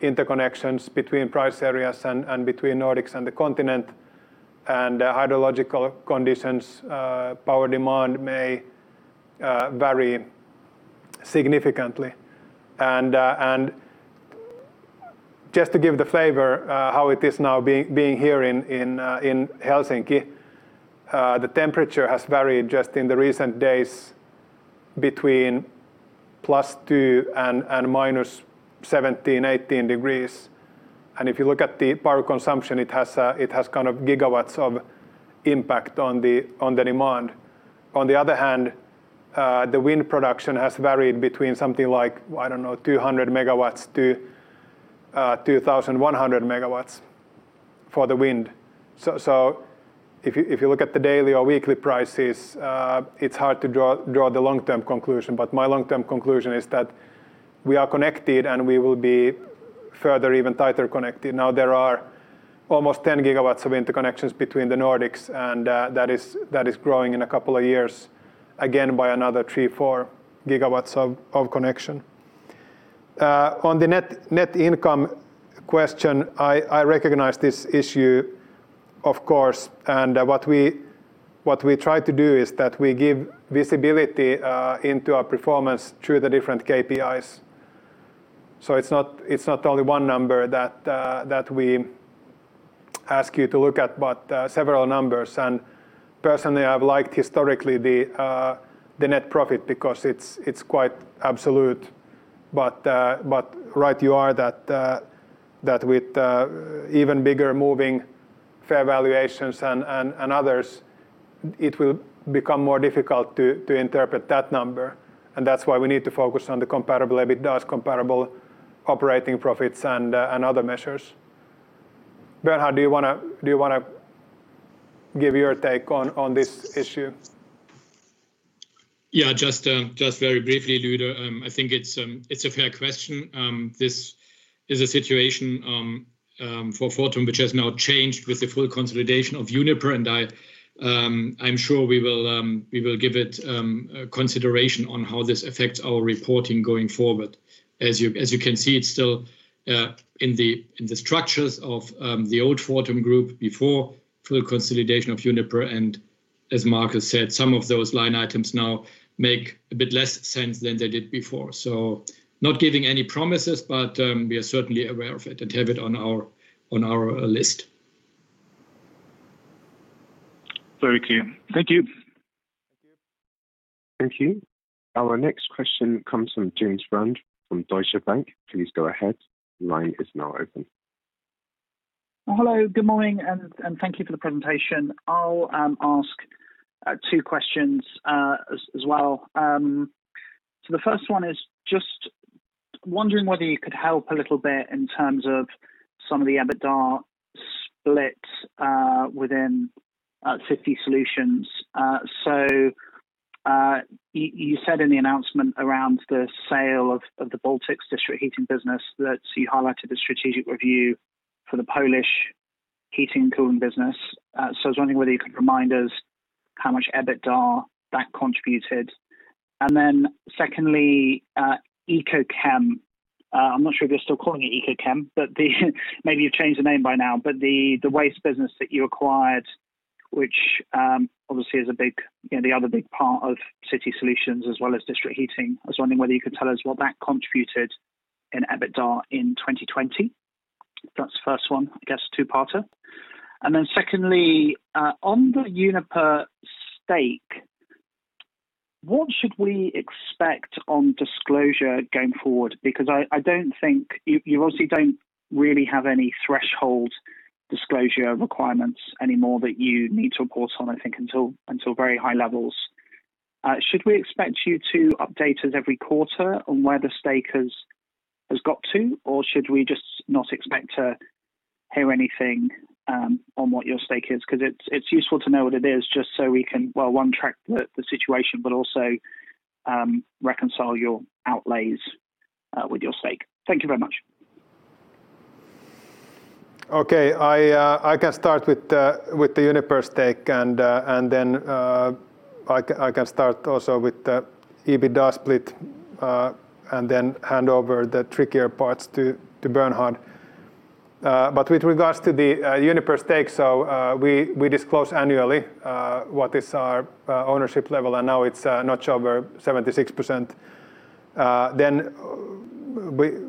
Speaker 2: interconnections between price areas and between Nordics and the continent and hydrological conditions, power demand may vary significantly. Just to give the flavor how it is now being here in Helsinki, the temperature has varied just in the recent days between plus two and -17, 18 degrees. If you look at the power consumption, it has kind of gigawatts of impact on the demand. On the other hand, the wind production has varied between something like, I don't know, 200 MW to 2,100 MW for the wind. If you look at the daily or weekly prices, it's hard to draw the long-term conclusion. My long-term conclusion is that we are connected and we will be further, even tighter connected. Now there are almost 10 GW of interconnections between the Nordics, and that is growing in a couple of years, again by another three, four gigawatts of connection. On the net income question, I recognize this issue, of course. What we try to do is that we give visibility into our performance through the different KPIs. It's not only one number that we ask you to look at, but several numbers. Personally, I've liked historically the net profit because it's quite absolute. Right you are that with even bigger moving fair valuations and others, it will become more difficult to interpret that number. That's why we need to focus on the comparable EBITDA, comparable operating profits, and other measures. Bernhard, do you want to give your take on this issue?
Speaker 3: Just very briefly, Lueder. I think it's a fair question. This is a situation for Fortum, which has now changed with the full consolidation of Uniper. I'm sure we will give it consideration on how this affects our reporting going forward. As you can see, it's still in the structures of the old Fortum Group before full consolidation of Uniper. As Markus said, some of those line items now make a bit less sense than they did before. Not giving any promises, but we are certainly aware of it and have it on our list.
Speaker 6: Very clear. Thank you.
Speaker 4: Thank you. Our next question comes from James Brand from Deutsche Bank. Please go ahead. Line is now open.
Speaker 7: Hello, good morning. Thank you for the presentation. I'll ask two questions as well. The first one is just wondering whether you could help a little bit in terms of some of the EBITDA split within City Solutions. You said in the announcement around the sale of the Baltics district heating business that you highlighted the strategic review for the Polish heating and cooling business. I was wondering whether you could remind us how much EBITDA that contributed. Secondly, Ekokem. I'm not sure if you're still calling it Ekokem, but maybe you've changed the name by now, but the waste business that you acquired, which obviously is the other big part of City Solutions as well as district heating. I was wondering whether you could tell us what that contributed in EBITDA in 2020. That's the first one, I guess two parter. Secondly, on the Uniper stake, what should we expect on disclosure going forward? I don't think you obviously don't really have any threshold disclosure requirements anymore that you need to report on, I think until very high levels. Should we expect you to update us every quarter on where the stake has got to or should we just not expect to hear anything on what your stake is? It's useful to know what it is just so we can, well, one, track the situation, but also reconcile your outlays with your stake. Thank you very much.
Speaker 2: I can start with the Uniper stake and then I can start also with the EBITDA split, and then hand over the trickier parts to Bernhard. With regards to the Uniper stake, we disclose annually what is our ownership level, and now it's a notch over 76%.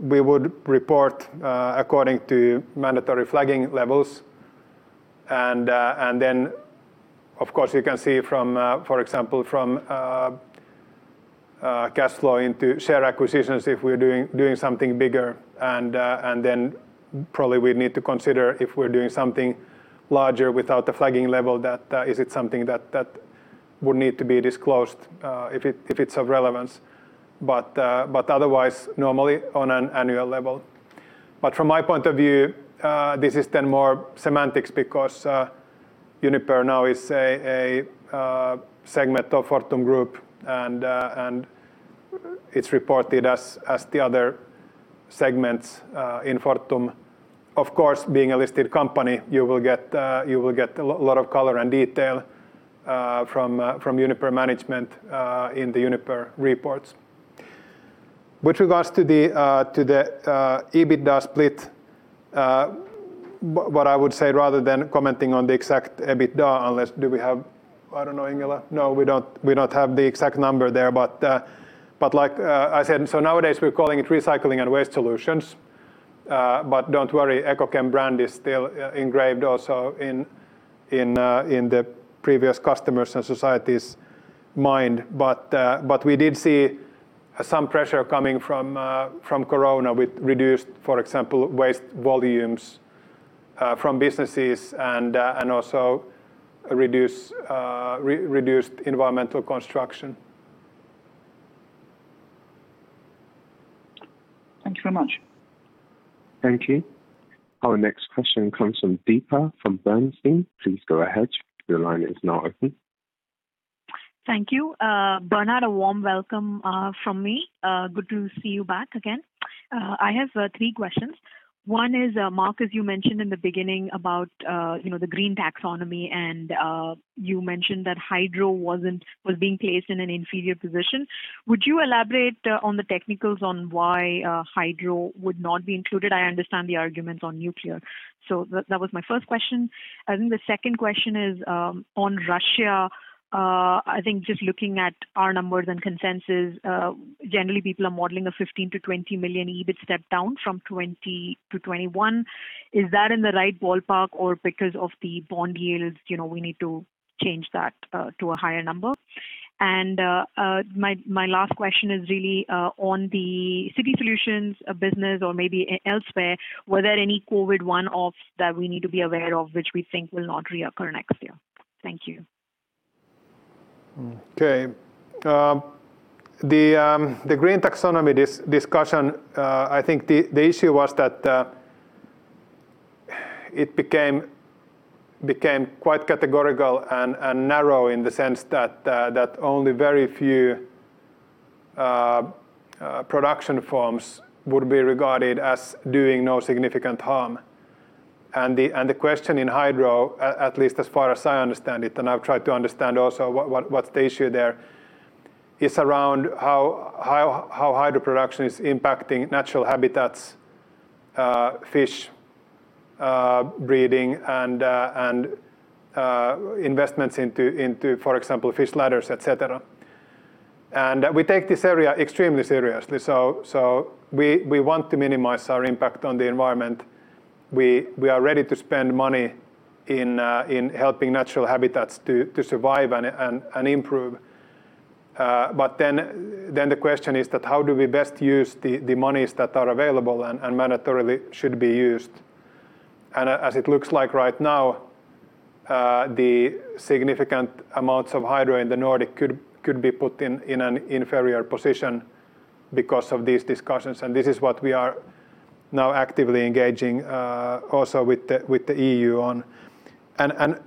Speaker 2: We would report according to mandatory flagging levels. Of course, you can see for example, from cash flow into share acquisitions if we're doing something bigger. Probably we need to consider if we're doing something larger without the flagging level, is it something that would need to be disclosed if it's of relevance. Otherwise, normally on an annual level. From my point of view, this is then more semantics because Uniper now is a segment of Fortum Group and it's reported as the other segments in Fortum. Of course, being a listed company, you will get a lot of color and detail from Uniper management in the Uniper reports. With regards to the EBITDA split, what I would say rather than commenting on the exact EBITDA, unless do we have, I don't know, Ingela? No, we don't have the exact number there. Like I said, nowadays we're calling it Recycling and Waste Solutions. Don't worry, Ekokem brand is still engraved also in the previous customers' and societies' mind. We did see some pressure coming from Corona with reduced, for example, waste volumes from businesses and also reduced environmental construction.
Speaker 7: Thank you very much.
Speaker 4: Thank you. Our next question comes from Deepa from Bernstein. Please go ahead.
Speaker 8: Thank you. Bernhard, a warm welcome from me. Good to see you back again. I have three questions. Mark, as you mentioned in the beginning about the green taxonomy, you mentioned that hydro was being placed in an inferior position. Would you elaborate on the technicals on why hydro would not be included? I understand the arguments on nuclear. That was my first question. I think the second question is on Russia. I think just looking at our numbers and consensus, generally people are modeling a 15 million-20 million EBIT step down from 2020-2021. Is that in the right ballpark or because of the bond yields, we need to change that to a higher number? My last question is really on the City Solutions business or maybe elsewhere. Were there any COVID one-offs that we need to be aware of, which we think will not reoccur next year? Thank you.
Speaker 2: The Green Taxonomy discussion, I think the issue was that it became quite categorical and narrow in the sense that only very few production forms would be regarded as doing no significant harm. The question in hydro, at least as far as I understand it, and I've tried to understand also what's the issue there, is around how hydro production is impacting natural habitats, fish breeding, and investments into, for example, fish ladders, et cetera. We take this area extremely seriously. We want to minimize our impact on the environment. We are ready to spend money in helping natural habitats to survive and improve. The question is that how do we best use the monies that are available and mandatorily should be used? As it looks like right now, the significant amounts of hydro in the Nordic could be put in an inferior position because of these discussions. This is what we are now actively engaging, also with the EU on.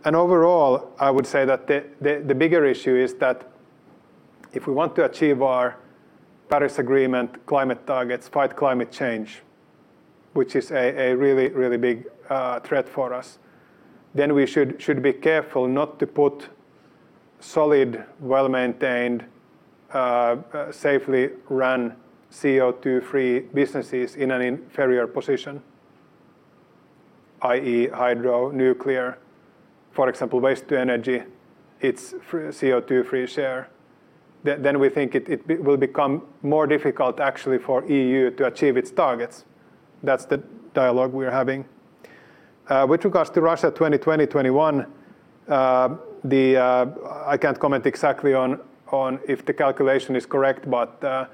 Speaker 2: Overall, I would say that the bigger issue is that if we want to achieve our Paris Agreement climate targets, fight climate change, which is a really, really big threat for us, then we should be careful not to put solid, well-maintained, safely run CO2-free businesses in an inferior position, i.e., hydro, nuclear, for example, waste-to-energy, its CO2-free share. We think it will become more difficult actually for EU to achieve its targets. That's the dialogue we are having. With regards to Russia 2020, 2021, I can't comment exactly on if the calculation is correct, but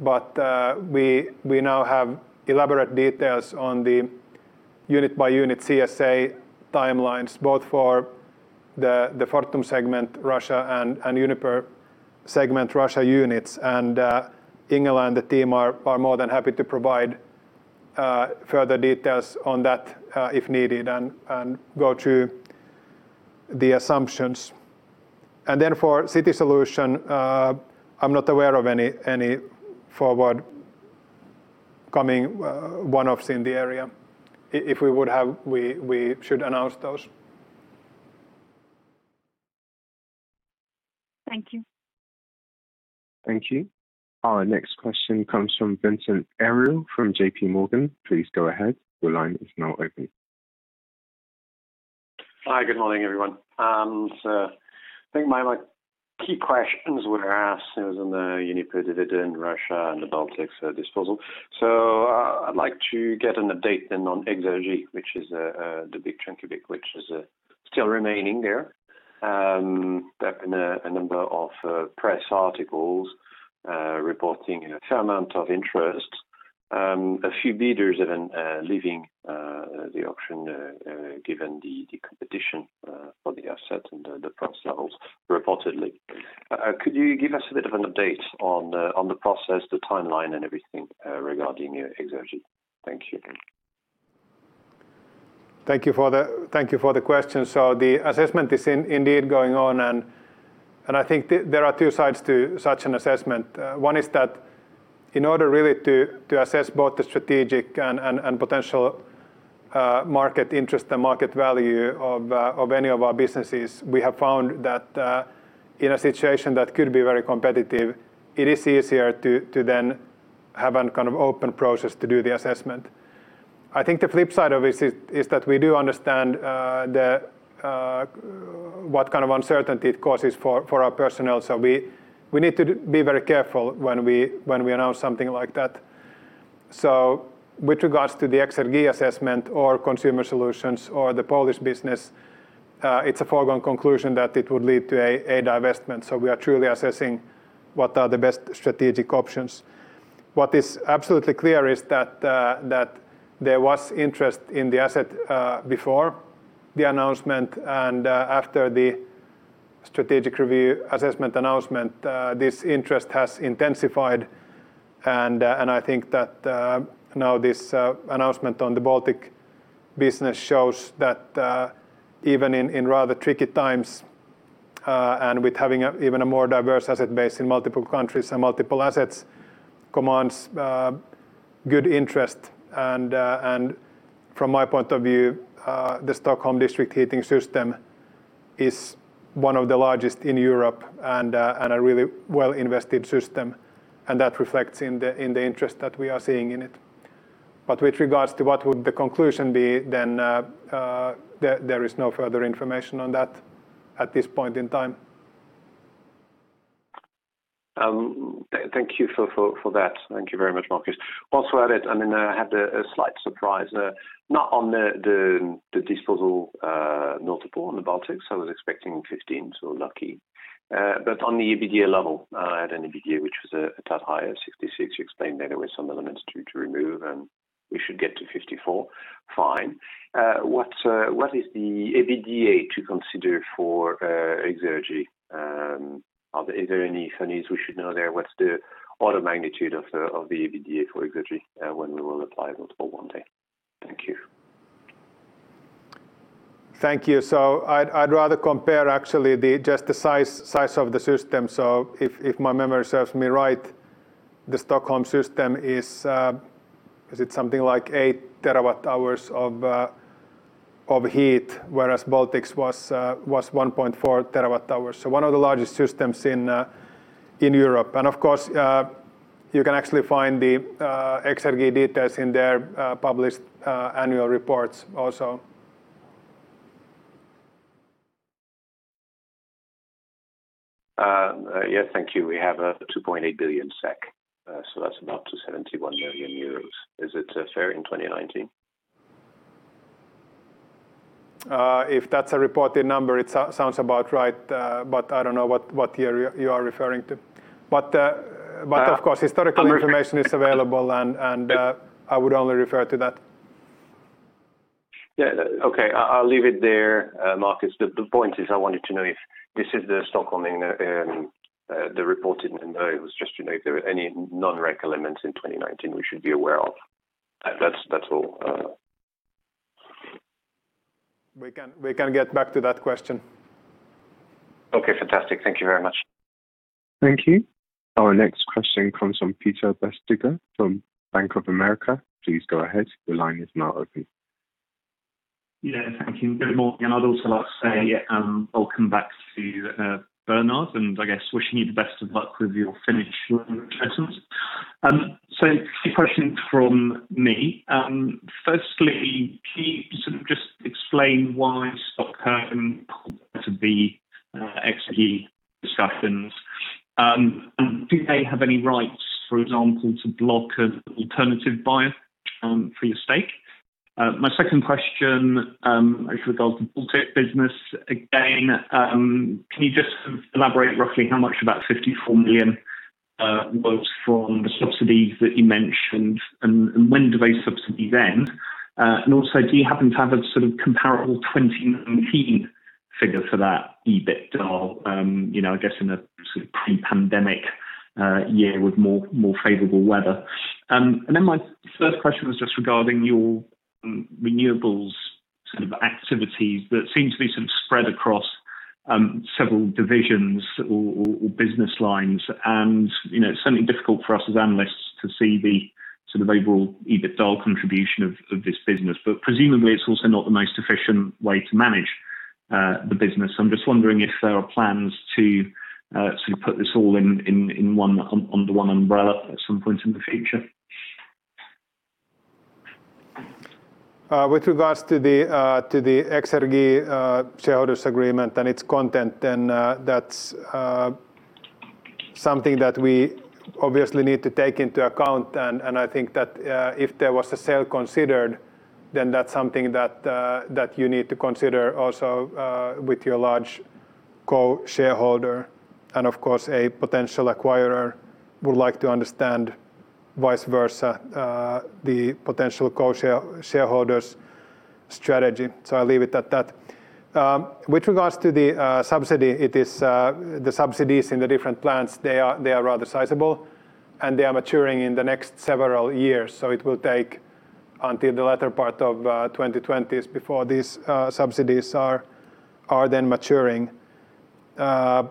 Speaker 2: we now have elaborate details on the unit-by-unit CSA timelines, both for the Fortum segment Russia and Uniper segment Russia units. Ingela and the team are more than happy to provide further details on that, if needed, and go through the assumptions. For City Solution, I'm not aware of any forward coming one-offs in the area. If we would have, we should announce those.
Speaker 8: Thank you.
Speaker 4: Thank you. Our next question comes from Vincent Ayral from JPMorgan. Please go ahead.
Speaker 9: Hi, good morning, everyone. I think my key questions were asked. It was on the Uniper dividend, Russia and the Baltics disposal. I'd like to get an update then on Exergi, which is the big trinket, which is still remaining there. There have been a number of press articles reporting a fair amount of interest. A few bidders even leaving the auction given the competition for the asset and the price levels reportedly. Could you give us a bit of an update on the process, the timeline, and everything regarding your Exergi? Thank you.
Speaker 2: Thank you for the question. The assessment is indeed going on, and I think there are two sides to such an assessment. One is that in order really to assess both the strategic and potential market interest and market value of any of our businesses, we have found that in a situation that could be very competitive, it is easier to then have an open process to do the assessment. I think the flip side of it is that we do understand what kind of uncertainty it causes for our personnel. We need to be very careful when we announce something like that. With regards to the Exergi assessment or Consumer Solutions or the Polish business, it's a foregone conclusion that it would lead to a divestment. We are truly assessing. What are the best strategic options? What is absolutely clear is that there was interest in the asset before the announcement and after the strategic review assessment announcement, this interest has intensified. I think that now this announcement on the Baltic business shows that even in rather tricky times, and with having even a more diverse asset base in multiple countries and multiple assets, commands good interest. From my point of view, the Stockholm district heating system is one of the largest in Europe and a really well invested system, and that reflects in the interest that we are seeing in it. With regards to what would the conclusion be, then there is no further information on that at this point in time.
Speaker 9: Thank you for that. Thank you very much, Markus. Also at it, I had a slight surprise, not on the disposal multiple on the Baltics. I was expecting 15, so lucky. But on the EBITDA level, at an EBITDA, which was a tad higher, 66, you explained there were some elements to remove, and we should get to 54. Fine. What is the EBITDA to consider for Exergi? Are there any funnies we should know there? What's the order magnitude of the EBITDA for Exergi when we will apply multiple one day? Thank you.
Speaker 2: Thank you. I'd rather compare actually just the size of the system. If my memory serves me right, the Stockholm system is it something like 8 TWh of heat, whereas Baltics was 1.4 TWh. One of the largest systems in Europe. Of course, you can actually find the Exergi details in their published annual reports also.
Speaker 9: Yes, thank you. We have a 2.8 billion SEK, so that's about 271 million euros. Is it fair in 2019?
Speaker 2: If that's a reported number, it sounds about right, but I don't know what year you are referring to.
Speaker 9: I'm-
Speaker 2: Historical information is available and I would only refer to that.
Speaker 9: Yeah. Okay. I'll leave it there, Markus. The point is I wanted to know if this is the Stockholm in the report. It was just to know if there were any non-rec elements in 2019 we should be aware of. That's all.
Speaker 2: We can get back to that question.
Speaker 9: Fantastic. Thank you very much.
Speaker 4: Thank you. Our next question comes from Peter Bisztyga from Bank of America. Please go ahead.
Speaker 10: Yeah, thank you. Good morning. I'd also like to say welcome back to Bernhard, and I guess wishing you the best of luck with your Finnish. Two questions from me. Firstly, can you sort of just explain why Stockholm compared to the Exergi discussions? Do they have any rights, for example, to block an alternative buyer for your stake? My second question, as regards the Baltic business again, can you just elaborate roughly how much of that 54 million was from the subsidies that you mentioned, and when do those subsidies end? Also, do you happen to have a sort of comparable 2019 figure for that EBITDA, I guess in a sort of pre-pandemic year with more favorable weather? My third question was just regarding your renewables sort of activities that seem to be sort of spread across several divisions or business lines. It's certainly difficult for us as analysts to see the sort of overall EBITDA contribution of this business. Presumably, it's also not the most efficient way to manage the business. I'm just wondering if there are plans to sort of put this all under one umbrella at some point in the future.
Speaker 2: With regards to the Exergi shareholders agreement and its content, that's something that we obviously need to take into account. I think that if there was a sale considered, that's something that you need to consider also with your large co-shareholder. Of course, a potential acquirer would like to understand, vice versa, the potential co-shareholder's strategy. I'll leave it at that. With regards to the subsidy, the subsidies in the different plants, they are rather sizable, and they are maturing in the next several years. It will take until the latter part of 2020s before these subsidies are then maturing. For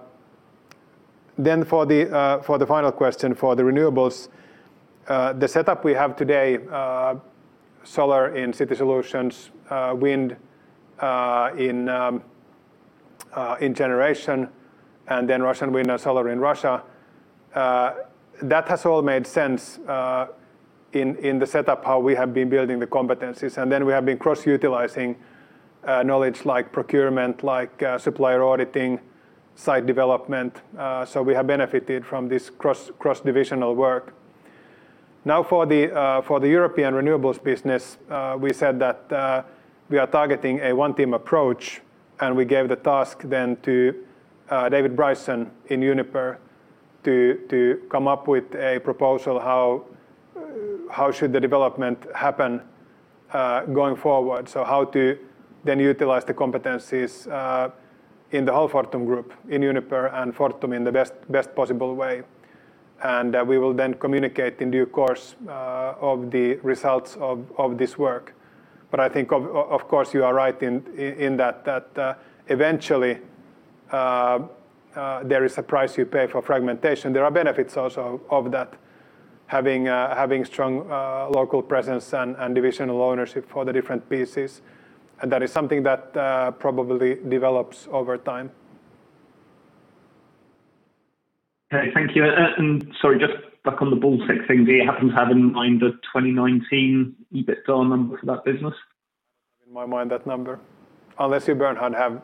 Speaker 2: the final question, for the renewables, the setup we have today, solar in city solutions, wind in Generation, and then Russian wind and solar in Russia. That has all made sense in the setup, how we have been building the competencies. We have been cross-utilizing knowledge like procurement, like supplier auditing, site development. We have benefited from this cross-divisional work. Now for the European renewables business, we said that we are targeting a one-team approach, and we gave the task then to David Bryson in Uniper to come up with a proposal, how should the development happen going forward? How to then utilize the competencies in the whole Fortum Group, in Uniper and Fortum in the best possible way. We will then communicate in due course of the results of this work. I think, of course, you are right in that eventually, there is a price you pay for fragmentation. There are benefits also of that, having strong local presence and divisional ownership for the different pieces. That is something that probably develops over time.
Speaker 10: Okay. Thank you. Sorry, just back on the Baltic thing. Do you happen to have in mind the 2019 EBITDA numbers for that business?
Speaker 2: In my mind, that number. Unless you, Bernhard, have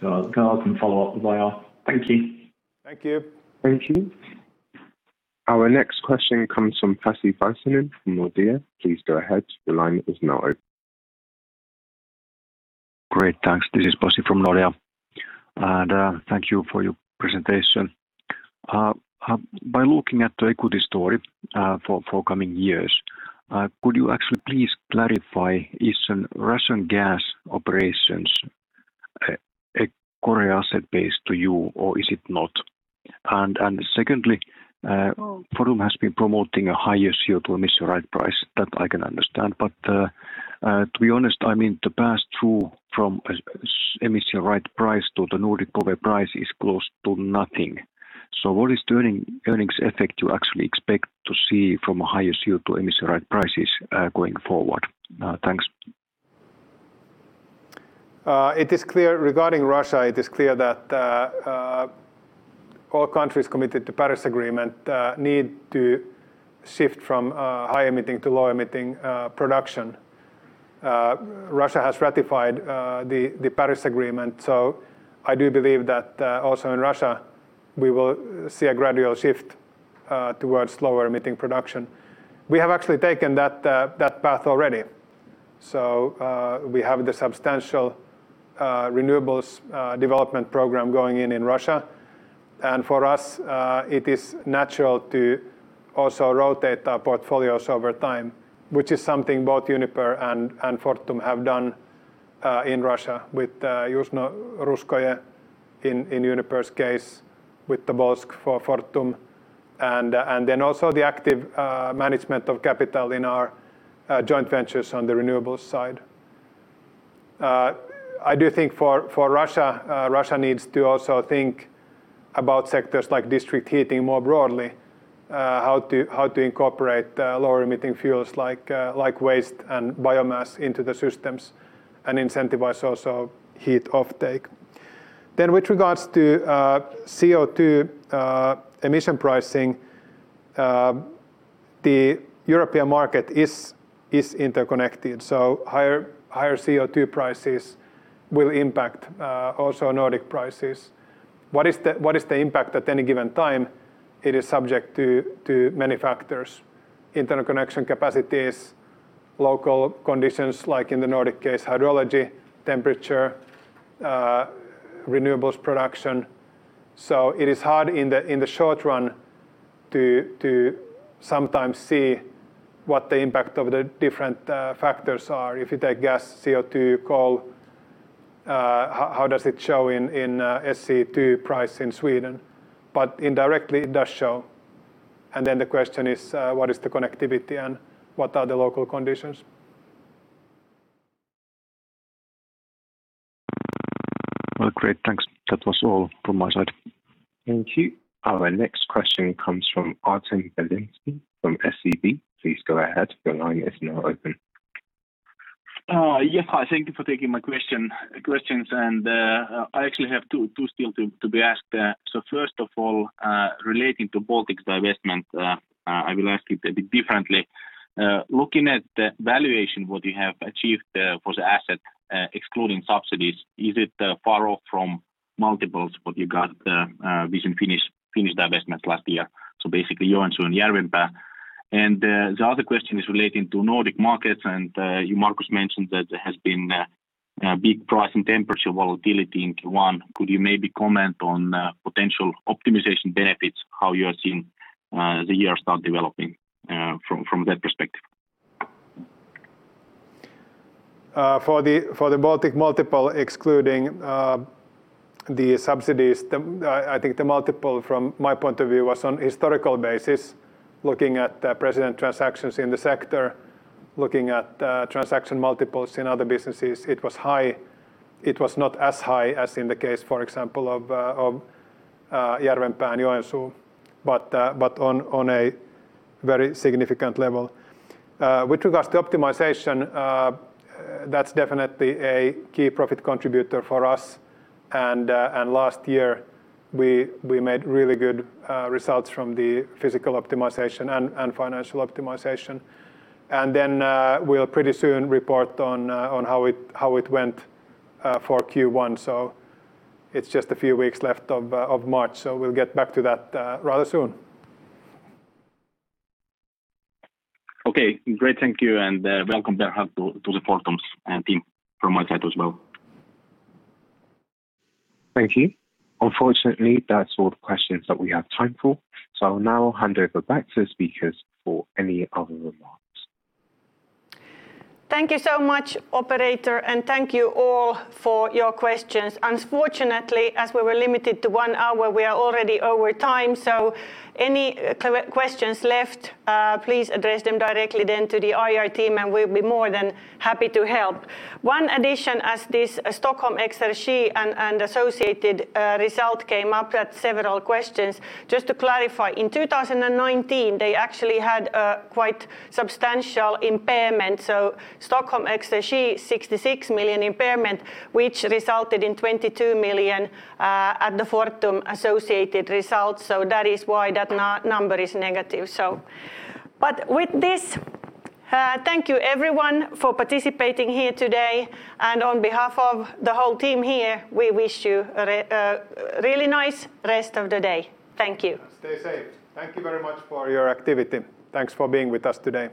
Speaker 3: Carlo can follow up with that.
Speaker 10: Thank you.
Speaker 2: Thank you.
Speaker 4: Thank you. Our next question comes from Pasi Väisänen from Nordea. Please go ahead.
Speaker 11: Great, thanks. This is Pasi from Nordea. Thank you for your presentation. By looking at the equity story for coming years, could you actually please clarify, is Russian gas operations a core asset base to you, or is it not? Secondly, Fortum has been promoting a higher CO2 emission right price that I can understand. To be honest, I mean, the pass-through from emission right price to the Nordic power price is close to nothing. What is the earnings effect you actually expect to see from a higher CO2 emission right prices going forward? Thanks.
Speaker 2: Regarding Russia, it is clear that all countries committed to Paris Agreement need to shift from high emitting to low emitting production. Russia has ratified the Paris Agreement. I do believe that also in Russia, we will see a gradual shift towards lower emitting production. We have actually taken that path already. We have the substantial renewables development program going in in Russia. For us, it is natural to also rotate our portfolios over time, which is something both Uniper and Fortum have done in Russia with Yuzhno-Russkoye in Uniper's case, with Tobolsk for Fortum. Also the active management of capital in our joint ventures on the renewables side. I do think for Russia needs to also think about sectors like district heating more broadly, how to incorporate lower emitting fuels like waste and biomass into the systems and incentivize also heat offtake. With regards to CO2 emission pricing, the European market is interconnected, higher CO2 prices will impact also Nordic prices. What is the impact at any given time? It is subject to many factors, interconnection capacities, local conditions, like in the Nordic case, hydrology, temperature, renewables production. It is hard in the short run to sometimes see what the impact of the different factors are. If you take gas, CO2, coal, how does it show in SE2 price in Sweden? Indirectly, it does show. The question is, what is the connectivity and what are the local conditions?
Speaker 11: Well, great. Thanks. That was all from my side.
Speaker 4: Thank you. Our next question comes from Artem Beletski from SEB. Please go ahead. Your line is now open.
Speaker 12: Yes. Hi. Thank you for taking my questions. I actually have two still to be asked. First of all, relating to Baltic's divestment, I will ask it a bit differently. Looking at the valuation, what you have achieved for the asset, excluding subsidies, is it far off from multiples what you got with Finnish divestments last year? Basically Joensuu and Järvenpää. The other question is relating to Nordic markets, and you, Markus, mentioned that there has been a big price and temperature volatility in Q1. Could you maybe comment on potential optimization benefits, how you are seeing the year start developing from that perspective?
Speaker 2: For the Baltic multiple, excluding the subsidies, I think the multiple from my point of view was on historical basis, looking at the precedent transactions in the sector, looking at transaction multiples in other businesses. It was high. It was not as high as in the case, for example, of Järvenpää and Joensuu, but on a very significant level. With regards to optimization, that's definitely a key profit contributor for us. Last year, we made really good results from the physical optimization and financial optimization. We'll pretty soon report on how it went for Q1. It's just a few weeks left of March, so we'll get back to that rather soon.
Speaker 12: Okay, great. Thank you. Welcome back to the Fortum's team from my side as well.
Speaker 4: Thank you. Unfortunately, that's all the questions that we have time for. I'll now hand over back to the speakers for any other remarks.
Speaker 1: Thank you so much, operator, and thank you all for your questions. Unfortunately, as we were limited to one hour, we are already over time, so any questions left, please address them directly then to the IR team, and we'll be more than happy to help. One addition, as this Stockholm Exergi and associated result came up at several questions. Just to clarify, in 2019, they actually had a quite substantial impairment, so Stockholm Exergi, 66 million impairment, which resulted in 22 million at the Fortum associated results. That is why that number is negative. With this, thank you everyone for participating here today, and on behalf of the whole team here, we wish you a really nice rest of the day. Thank you.
Speaker 2: Stay safe. Thank you very much for your activity. Thanks for being with us today.